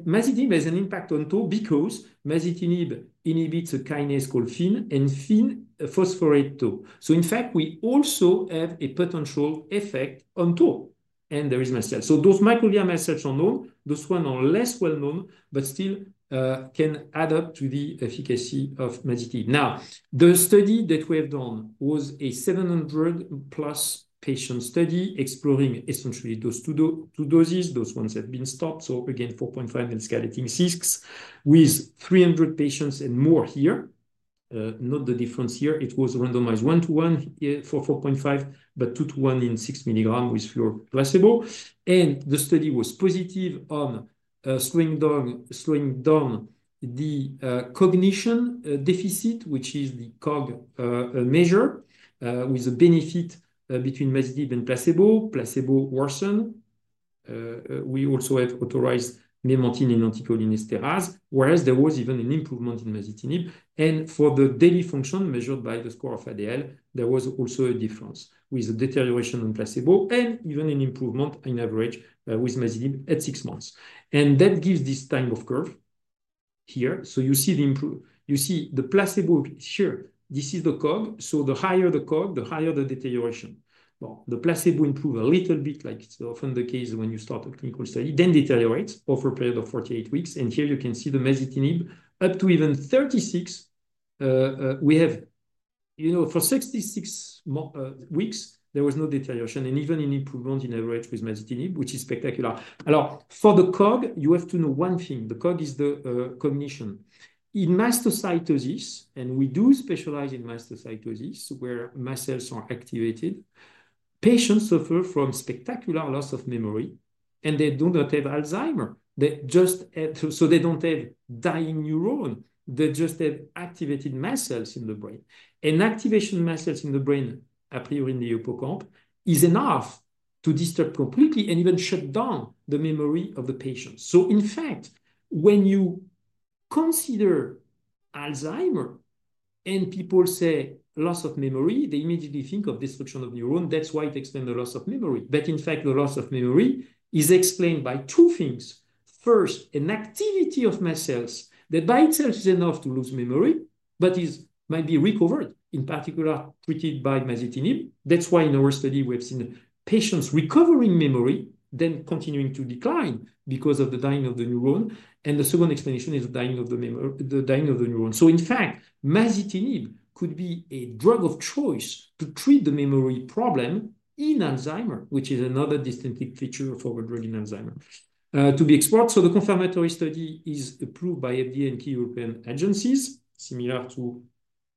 Masitinib has an impact on tau because masitinib inhibits a kinase called Fyn and Fyn phosphorylates tau. In fact, we also have a potential effect on tau. There are mast cells. Those microglia mast cells are known. Those ones are less well known, but still can add up to the efficacy of masitinib. Now, the study that we have done was a 700+ patient study exploring essentially those two doses. Those ones have been stopped. Again, 4.5 and escalating 6 with 300 patients and more here. No difference here. It was randomized one-to-one for 4.5, but two-to-one in 6 mg with for placebo. The study was positive on slowing down the cognition deficit, which is the COG measure, with a benefit between masitinib and placebo. Placebo worsened. We also have authorized memantine and anticholinesterase, whereas there was even an improvement in masitinib. For the daily function measured by the score of ADL, there was also a difference with a deterioration in placebo and even an improvement in average with masitinib at six months. And that gives this type of curve here. So you see the placebo here. This is the COG. So the higher the COG, the higher the deterioration. Well, the placebo improves a little bit, like it's often the case when you start a clinical study. Then deteriorates over a period of 48 weeks. And here you can see the masitinib up to even 36. We have, you know, for 66 weeks, there was no deterioration. And even an improvement in average with masitinib, which is spectacular. Now, for the COG, you have to know one thing. The COG is the cognition. In mastocytosis, and we do specialize in mastocytosis where mast cells are activated, patients suffer from spectacular loss of memory, and they do not have Alzheimer's. They just have, so they don't have dying neurons. They just have activated mast cells in the brain, and activation mast cells in the brain, apparently in the hippocampus, is enough to disturb completely and even shut down the memory of the patient, so in fact, when you consider Alzheimer's and people say loss of memory, they immediately think of destruction of neurons. That's why it explains the loss of memory, but in fact, the loss of memory is explained by two things. First, an activity of mast cells that by itself is enough to lose memory, but might be recovered, in particular treated by masitinib. That's why in our study, we have seen patients recovering memory, then continuing to decline because of the dying of the neuron. The second explanation is the dying of the neuron. So in fact, masitinib could be a drug of choice to treat the memory problem in Alzheimer's, which is another distinctive feature of our drug in Alzheimer's, to be explored. So the confirmatory study is approved by FDA and key European agencies, similar to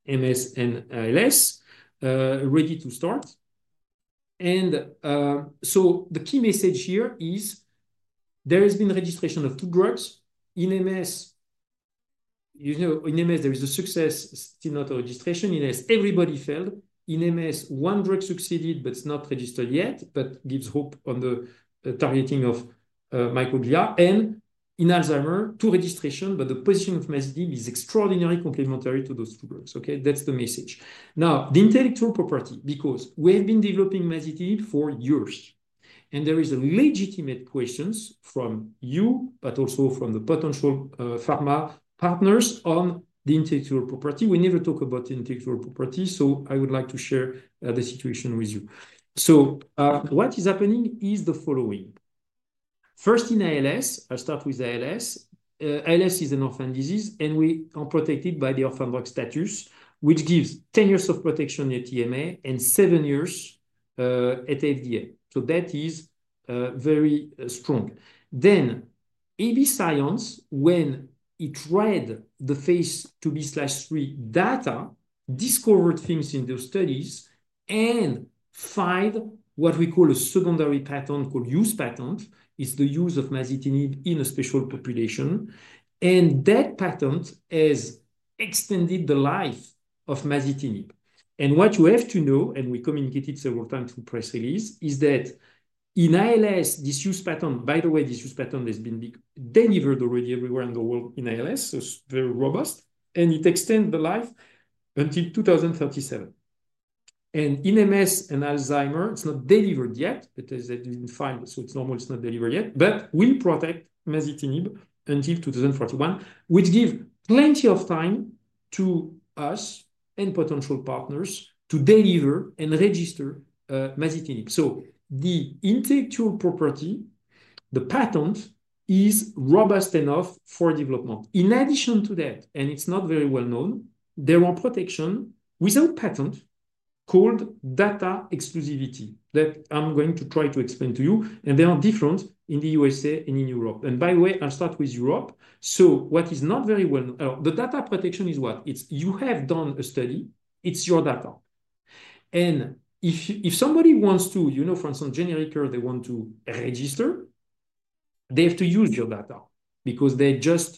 MS and ALS, ready to start. And so the key message here is there has been registration of two drugs. In MS, you know, in MS, there is a success, still not a registration. In MS, everybody failed. In MS, one drug succeeded, but it's not registered yet, but gives hope on the targeting of microglia. And in Alzheimer's, two registrations, but the position of masitinib is extraordinarily complementary to those two drugs. Okay? That's the message. Now, the intellectual property, because we have been developing masitinib for years, and there are legitimate questions from you, but also from the potential pharma partners on the intellectual property. We never talk about intellectual property, so I would like to share the situation with you. So what is happening is the following. First, in ALS, I'll start with ALS. ALS is an orphan disease, and we are protected by the orphan drug status, which gives 10 years of protection at EMA and seven years at FDA. So that is very strong. Then AB Science, when we read the phase II-B/III data, discovered things in those studies and found what we call a secondary patent called use patent. It's the use of masitinib in a special population. And that patent has extended the life of masitinib. What you have to know, and we communicated several times through press release, is that in ALS, this use pattern, by the way, this use pattern has been delivered already everywhere in the world in ALS. So it's very robust, and it extends the life until 2037. In MS and Alzheimer's, it's not delivered yet. It has been found, so it's normal it's not delivered yet, but we protect masitinib until 2041, which gives plenty of time to us and potential partners to deliver and register masitinib. So the intellectual property, the patent, is robust enough for development. In addition to that, and it's not very well known, there are protections without patent called data exclusivity that I'm going to try to explain to you. They are different in the USA and in Europe. By the way, I'll start with Europe. What is not very well known, the data protection is what? It's you have done a study, it's your data. And if somebody wants to, you know, for instance, generic drug, they want to register, they have to use your data because they just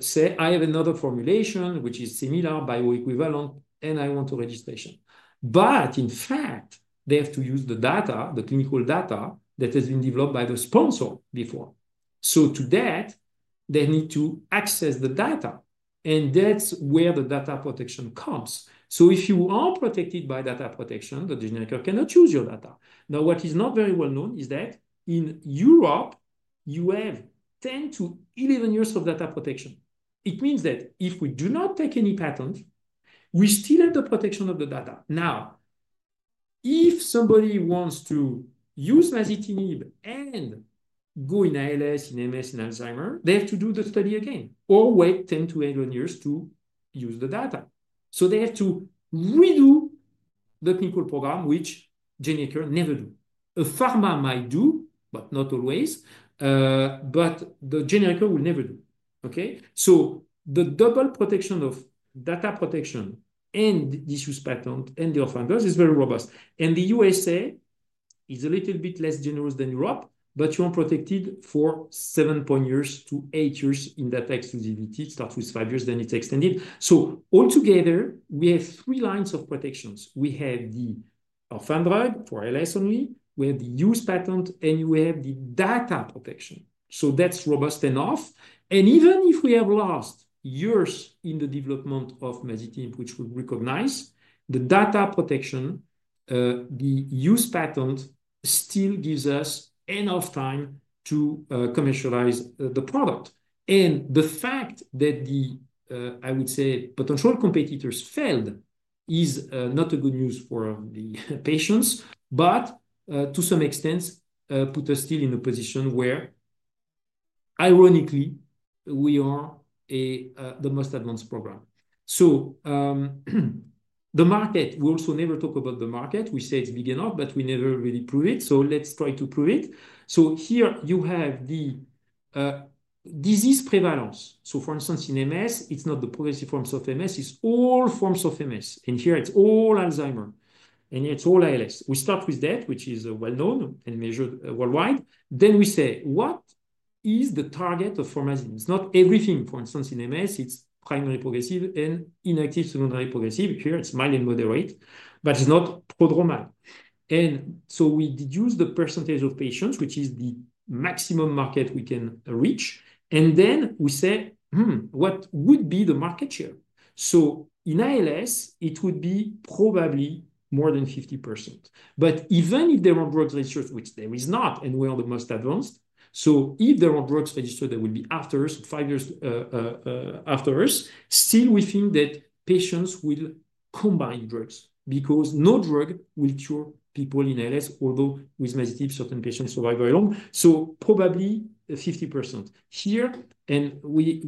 say, "I have another formulation, which is similar, bioequivalent, and I want a registration." But in fact, they have to use the data, the clinical data that has been developed by the sponsor before. So to that, they need to access the data. And that's where the data protection comes. So if you are protected by data protection, the generic drug cannot use your data. Now, what is not very well known is that in Europe, you have 10 to 11 years of data protection. It means that if we do not take any patent, we still have the protection of the data. Now, if somebody wants to use masitinib and go in ALS, in MS, in Alzheimer's, they have to do the study again or wait 10 to 11 years to use the data. So they have to redo the clinical program, which generics never does. A pharma might do, but not always. But the generics will never do. Okay? So the double protection of data protection and this use patent and the orphan drug is very robust. And the U.S. is a little bit less generous than Europe, but you are protected for 7.0 years to 8 years in data exclusivity. It starts with 5 years, then it's extended. So altogether, we have three lines of protections. We have the orphan drug for ALS only. We have the use patent, and we have the data protection. So that's robust enough. And even if we have lost years in the development of masitinib, which we recognize, the data protection, the use patent still gives us enough time to commercialize the product. And the fact that the, I would say, potential competitors failed is not a good news for the patients, but to some extent, put us still in a position where, ironically, we are the most advanced program. So the market, we also never talk about the market. We say it's big enough, but we never really prove it. So let's try to prove it. So here you have the disease prevalence. So for instance, in MS, it's not the progressive forms of MS. It's all forms of MS. And here it's all Alzheimer's. And it's all ALS. We start with that, which is well known and measured worldwide. Then we say, what is the target of masitinib? It's not everything. For instance, in MS, it's primary progressive and inactive secondary progressive. Here, it's mild and moderate, but it's not prodromal. And so we deduce the percentage of patients, which is the maximum market we can reach. And then we say, what would be the market share? So in ALS, it would be probably more than 50%. But even if there are drugs registered, which there is not, and we are the most advanced, so if there are drugs registered, there will be after us, five years after us, still we think that patients will combine drugs because no drug will cure people in ALS, although with masitinib, certain patients survive very long. So probably 50% here. And we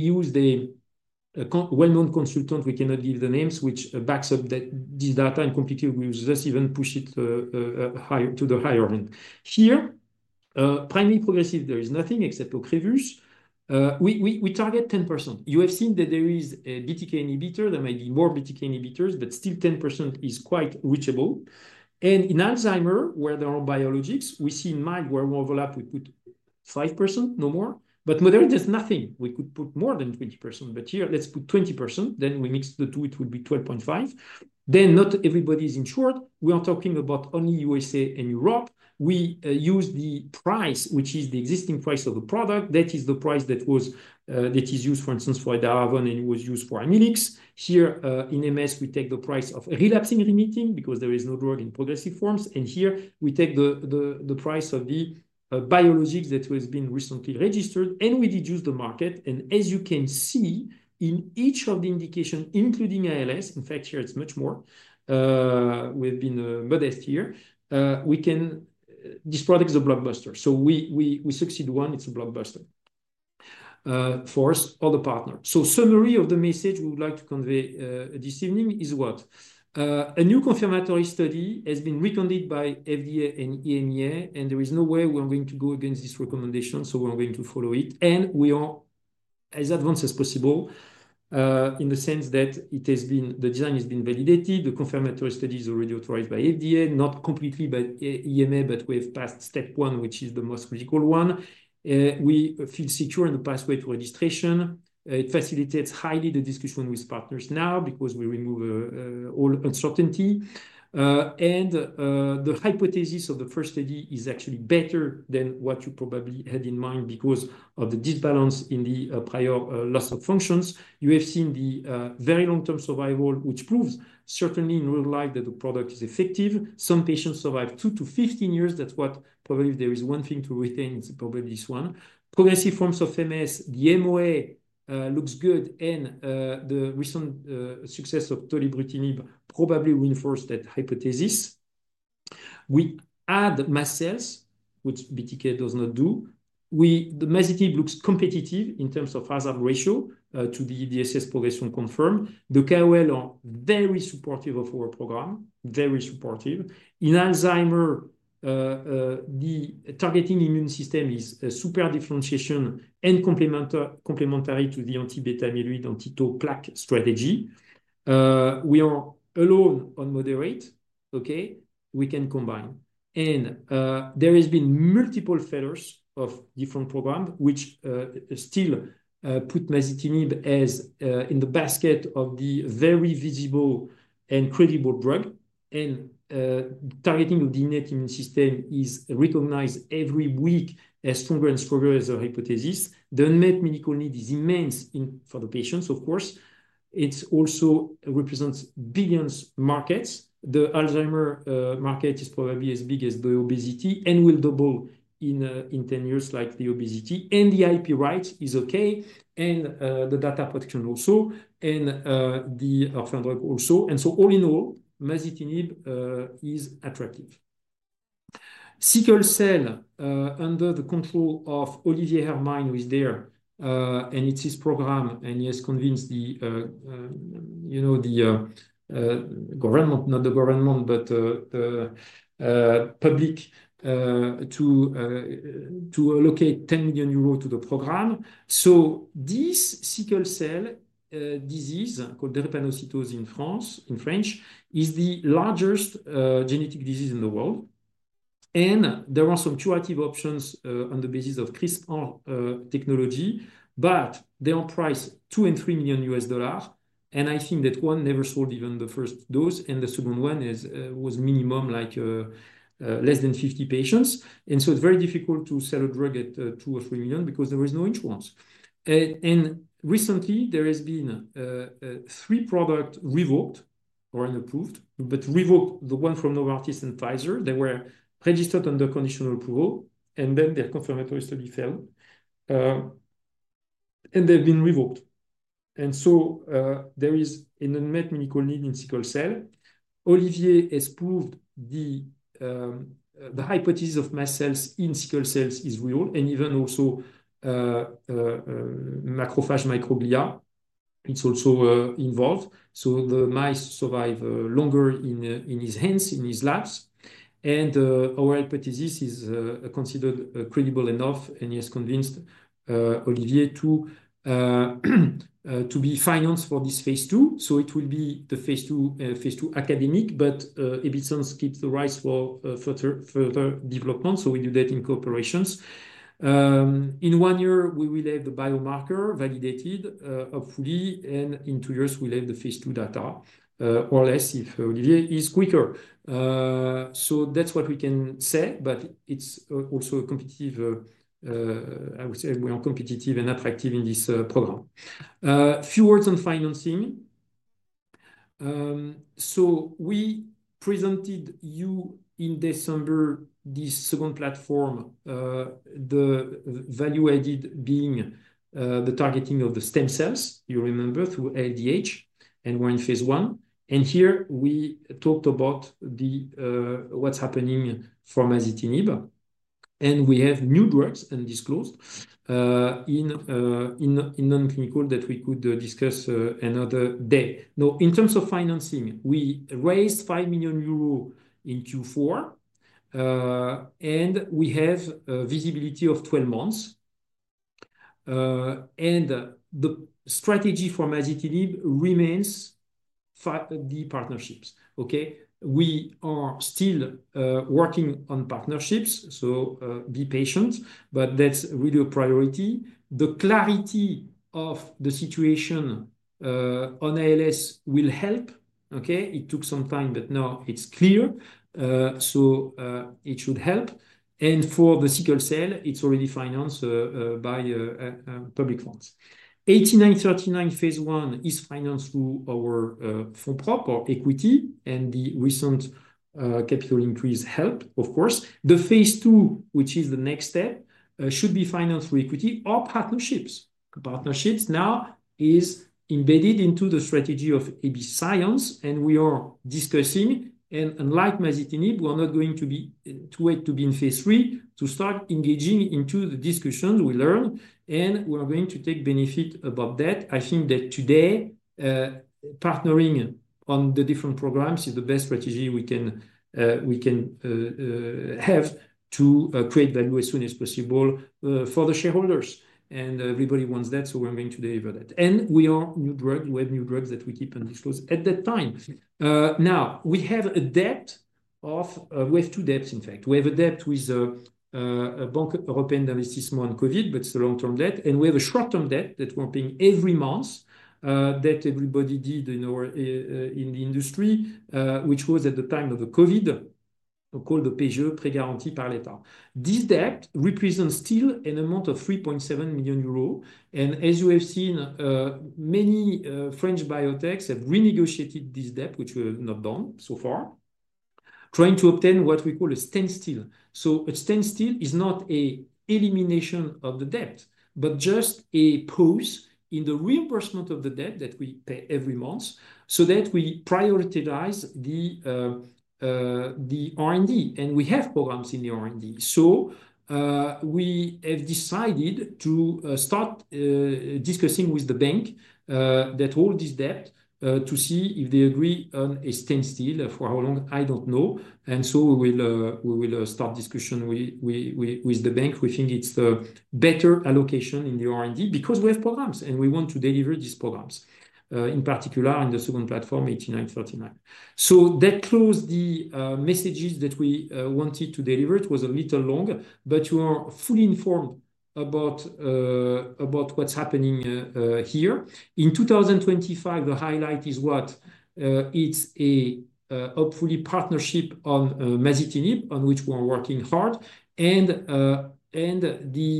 use the well-known consultant. We cannot give the names which backs up this data and completely we use this, even push it higher to the higher end. Here, primary progressive, there is nothing except Ocrevus. We target 10%. You have seen that there is a BTK inhibitor. There may be more BTK inhibitors, but still 10% is quite reachable. And in Alzheimer's, where there are biologics, we see mild wear and overlap, we put 5%, no more. But moderate, there's nothing. We could put more than 20%. But here, let's put 20%. Then we mix the two. It would be 12.5%. Then not everybody is insured. We are talking about only USA and Europe. We use the price, which is the existing price of the product. That is the price that was, that is used, for instance, for edaravone, and it was used for Amylyx. Here in MS, we take the price of relapsing remitting because there is no drug in progressive forms. Here we take the price of the biologics that has been recently registered, and we deduce the market. As you can see in each of the indications, including ALS, in fact, here it's much more. We have been modest here. We can, this product is a blockbuster. If we succeed in one, it's a blockbuster for us, other partners. Summary of the message we would like to convey this evening is what? A new confirmatory study has been recommended by FDA and EMA, and there is no way we're going to go against this recommendation. We're going to follow it. We are as advanced as possible in the sense that it has been, the design has been validated. The confirmatory study is already authorized by FDA, not completely by EMA, but we have passed step one, which is the most critical one. We feel secure in the pathway to registration. It facilitates highly the discussion with partners now because we remove all uncertainty. And the hypothesis of the first study is actually better than what you probably had in mind because of the imbalance in the prior loss of functions. You have seen the very long-term survival, which proves certainly in real life that the product is effective. Some patients survive two to 15 years. That's what probably if there is one thing to retain, it's probably this one. Progressive forms of MS, the MOA looks good, and the recent success of tolebrutinib probably reinforced that hypothesis. We add mast cells, which BTK does not do. The masitinib looks competitive in terms of hazard ratio to the EDSS progression confirmed. The KOLs are very supportive of our program, very supportive. In Alzheimer's, targeting the immune system is super differentiated and complementary to the anti-beta-amyloid anti-tau plaque strategy. We are alone on masitinib, okay? We can combine. There have been multiple failures of different programs, which still put masitinib in the basket of the very visible and credible drug. Targeting of the innate immune system is recognized every week as stronger and stronger as a hypothesis. The unmet medical need is immense for the patients, of course. It also represents billions of markets. The Alzheimer's market is probably as big as the obesity and will double in 10 years like the obesity. The IP rights is okay. The data protection also, and the orphan drug also. So all in all, masitinib is attractive. Sickle cell under the control of Olivier Hermine, who is there, and it's his program, and he has convinced the, you know, the government, not the government, but the public to allocate 10 million euros to the program. This sickle cell disease called drépanocytose in France, in French, is the largest genetic disease in the world. There are some curative options on the basis of CRISPR technology, but they are priced $2 million and $3 million. I think that one never sold even the first dose, and the second one was minimum, like less than 50 patients. It's very difficult to sell a drug at $2 million or $3 million because there is no insurance. Recently, there have been three products revoked or unapproved, but revoked the one from Novartis and Pfizer. They were registered under conditional approval, and then their confirmatory study failed, and they've been revoked. There is an unmet medical need in sickle cell. Olivier has proved the hypothesis of mast cells in sickle cell is real, and even also macrophage microglia. It's also involved. The mice survive longer in his hands, in his labs. Our hypothesis is considered credible enough, and he has convinced Olivier to be financed for this phase II. It will be the phase II academic, but AB Science keeps the rights for further development. We do that in cooperation. In one year, we will have the biomarker validated, hopefully, and in two years, we'll have the phase II data, or less if Olivier is quicker. That's what we can say, but it's also a competitive. I would say we are competitive and attractive in this program. Few words on financing. So we presented you in December this second platform, the value added being the targeting of the stem cells, you remember, through LDH, and we're in phase I. And here we talked about what's happening from masitinib. And we have new drugs and disclosed in non-clinical that we could discuss another day. Now, in terms of financing, we raised 5 million euros in Q4, and we have visibility of 12 months. And the strategy for masitinib remains, the partnerships, okay? We are still working on partnerships, so be patient, but that's really a priority. The clarity of the situation on ALS will help, okay? It took some time, but now it's clear. So it should help. And for the sickle cell, it's already financed by public funds. AB8939 phase I is financed through our own funds or equity, and the recent capital increase helped, of course. The phase II, which is the next step, should be financed through equity or partnerships. Partnerships now is embedded into the strategy of AB Science, and we are discussing, and unlike masitinib, we're not going to be too late to be in phase III to start engaging into the discussions we learn, and we're going to take benefit about that. I think that today, partnering on the different programs is the best strategy we can have to create value as soon as possible for the shareholders. Everybody wants that, so we're going to deliver that. We have new drugs that we keep on disclosing at that time. Now, we have two debts, in fact. We have a debt with a Banque Européenne d'Investissement on COVID, but it's a long-term debt. We have a short-term debt that we're paying every month, debt everybody did in the industry, which was at the time of the COVID, called the PGE, Prêt Garanti par l'État. This debt represents still an amount of 3.7 million euros. As you have seen, many French biotechs have renegotiated this debt, which we have not done so far, trying to obtain what we call a standstill. A standstill is not an elimination of the debt, but just a pause in the reimbursement of the debt that we pay every month so that we prioritize the R&D. We have programs in the R&D. We have decided to start discussing with the bank that holds this debt to see if they agree on a standstill for how long, I don't know. We will start discussion with the bank. We think it's a better allocation in the R&D because we have programs and we want to deliver these programs, in particular in the second platform, 8939. So that closed the messages that we wanted to deliver. It was a little long, but you are fully informed about what's happening here. In 2025, the highlight is what? It's a, hopefully, partnership on masitinib, on which we are working hard. And the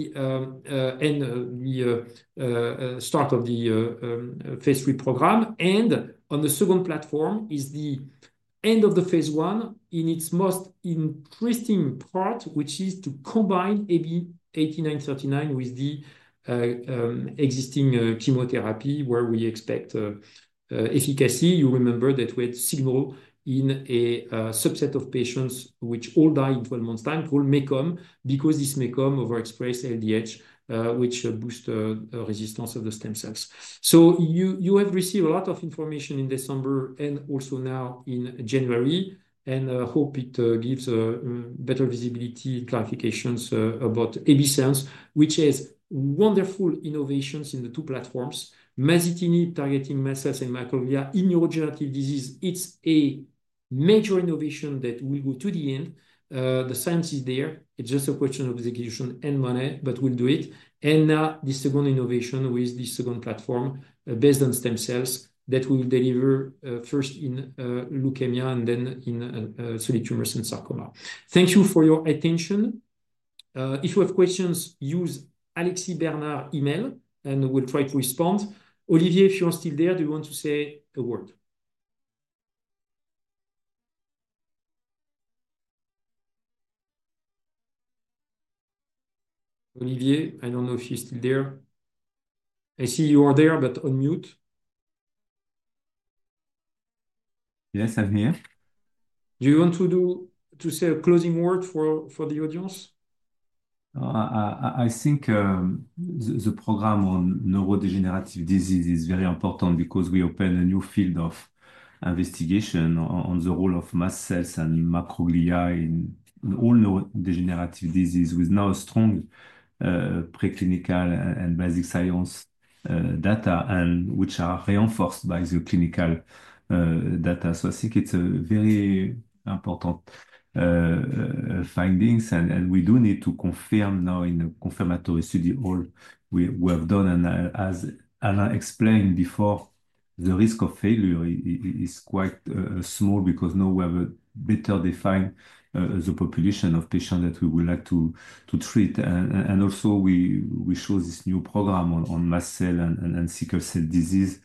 start of the phase III program. And on the second platform is the end of the phase I in its most interesting part, which is to combine 8939 with the existing chemotherapy where we expect efficacy. You remember that we had signal in a subset of patients which all die in 12 months' time called MECOM because this MECOM overexpressed LDH, which boosts the resistance of the stem cells. You have received a lot of information in December and also now in January. I hope it gives better visibility and clarifications about AB Science, which has wonderful innovations in the two platforms. Masitinib targeting mast cells and microglia in neurodegenerative disease. It's a major innovation that will go to the end. The science is there. It's just a question of execution and money, but we'll do it. Now the second innovation with the second platform based on stem cells that we will deliver first in leukemia and then in solid tumors and sarcoma. Thank you for your attention. If you have questions, use Alexis Bernard's email, and we'll try to respond. Olivier, if you're still there, do you want to say a word? Olivier, I don't know if you're still there. I see you are there, but unmute. Yes, I'm here. Do you want to say a closing word for the audience? I think the program on neurodegenerative disease is very important because we open a new field of investigation on the role of mast cells and microglia in all neurodegenerative disease with now strong preclinical and basic science data and which are reinforced by the clinical data, so I think it's a very important findings. We do need to confirm now in the confirmatory study all we have done, and as Alain explained before, the risk of failure is quite small because now we have a better defined population of patients that we would like to treat. Also, we chose this new program on mast cells and sickle cell disease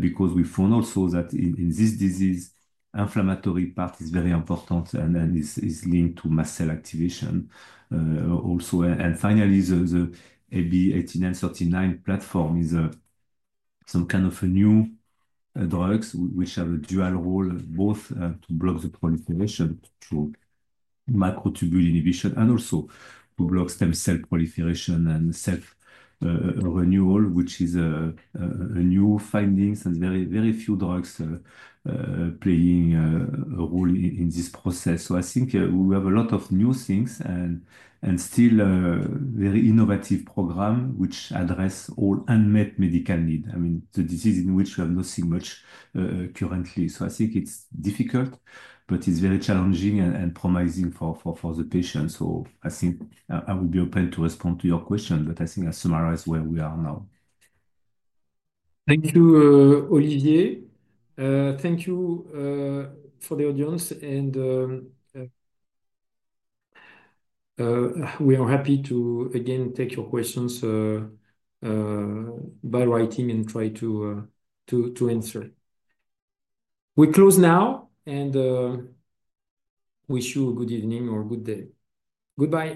because we found also that in this disease, the inflammatory part is very important and is linked to mast cell activation also. Finally, the AB8939 platform is some kind of new drugs which have a dual role, both to block the proliferation through microtubule inhibition and also to block stem cell proliferation and self-renewal, which is a new finding and very, very few drugs playing a role in this process. So I think we have a lot of new things and still a very innovative program which addresses all unmet medical needs. I mean, the disease in which we have not seen much currently. So I think it's difficult, but it's very challenging and promising for the patients. So I think I will be open to respond to your question, but I think I summarize where we are now. Thank you, Olivier. Thank you for the audience. We are happy to again take your questions by writing and try to answer. We close now and wish you a good evening or a good day. Goodbye.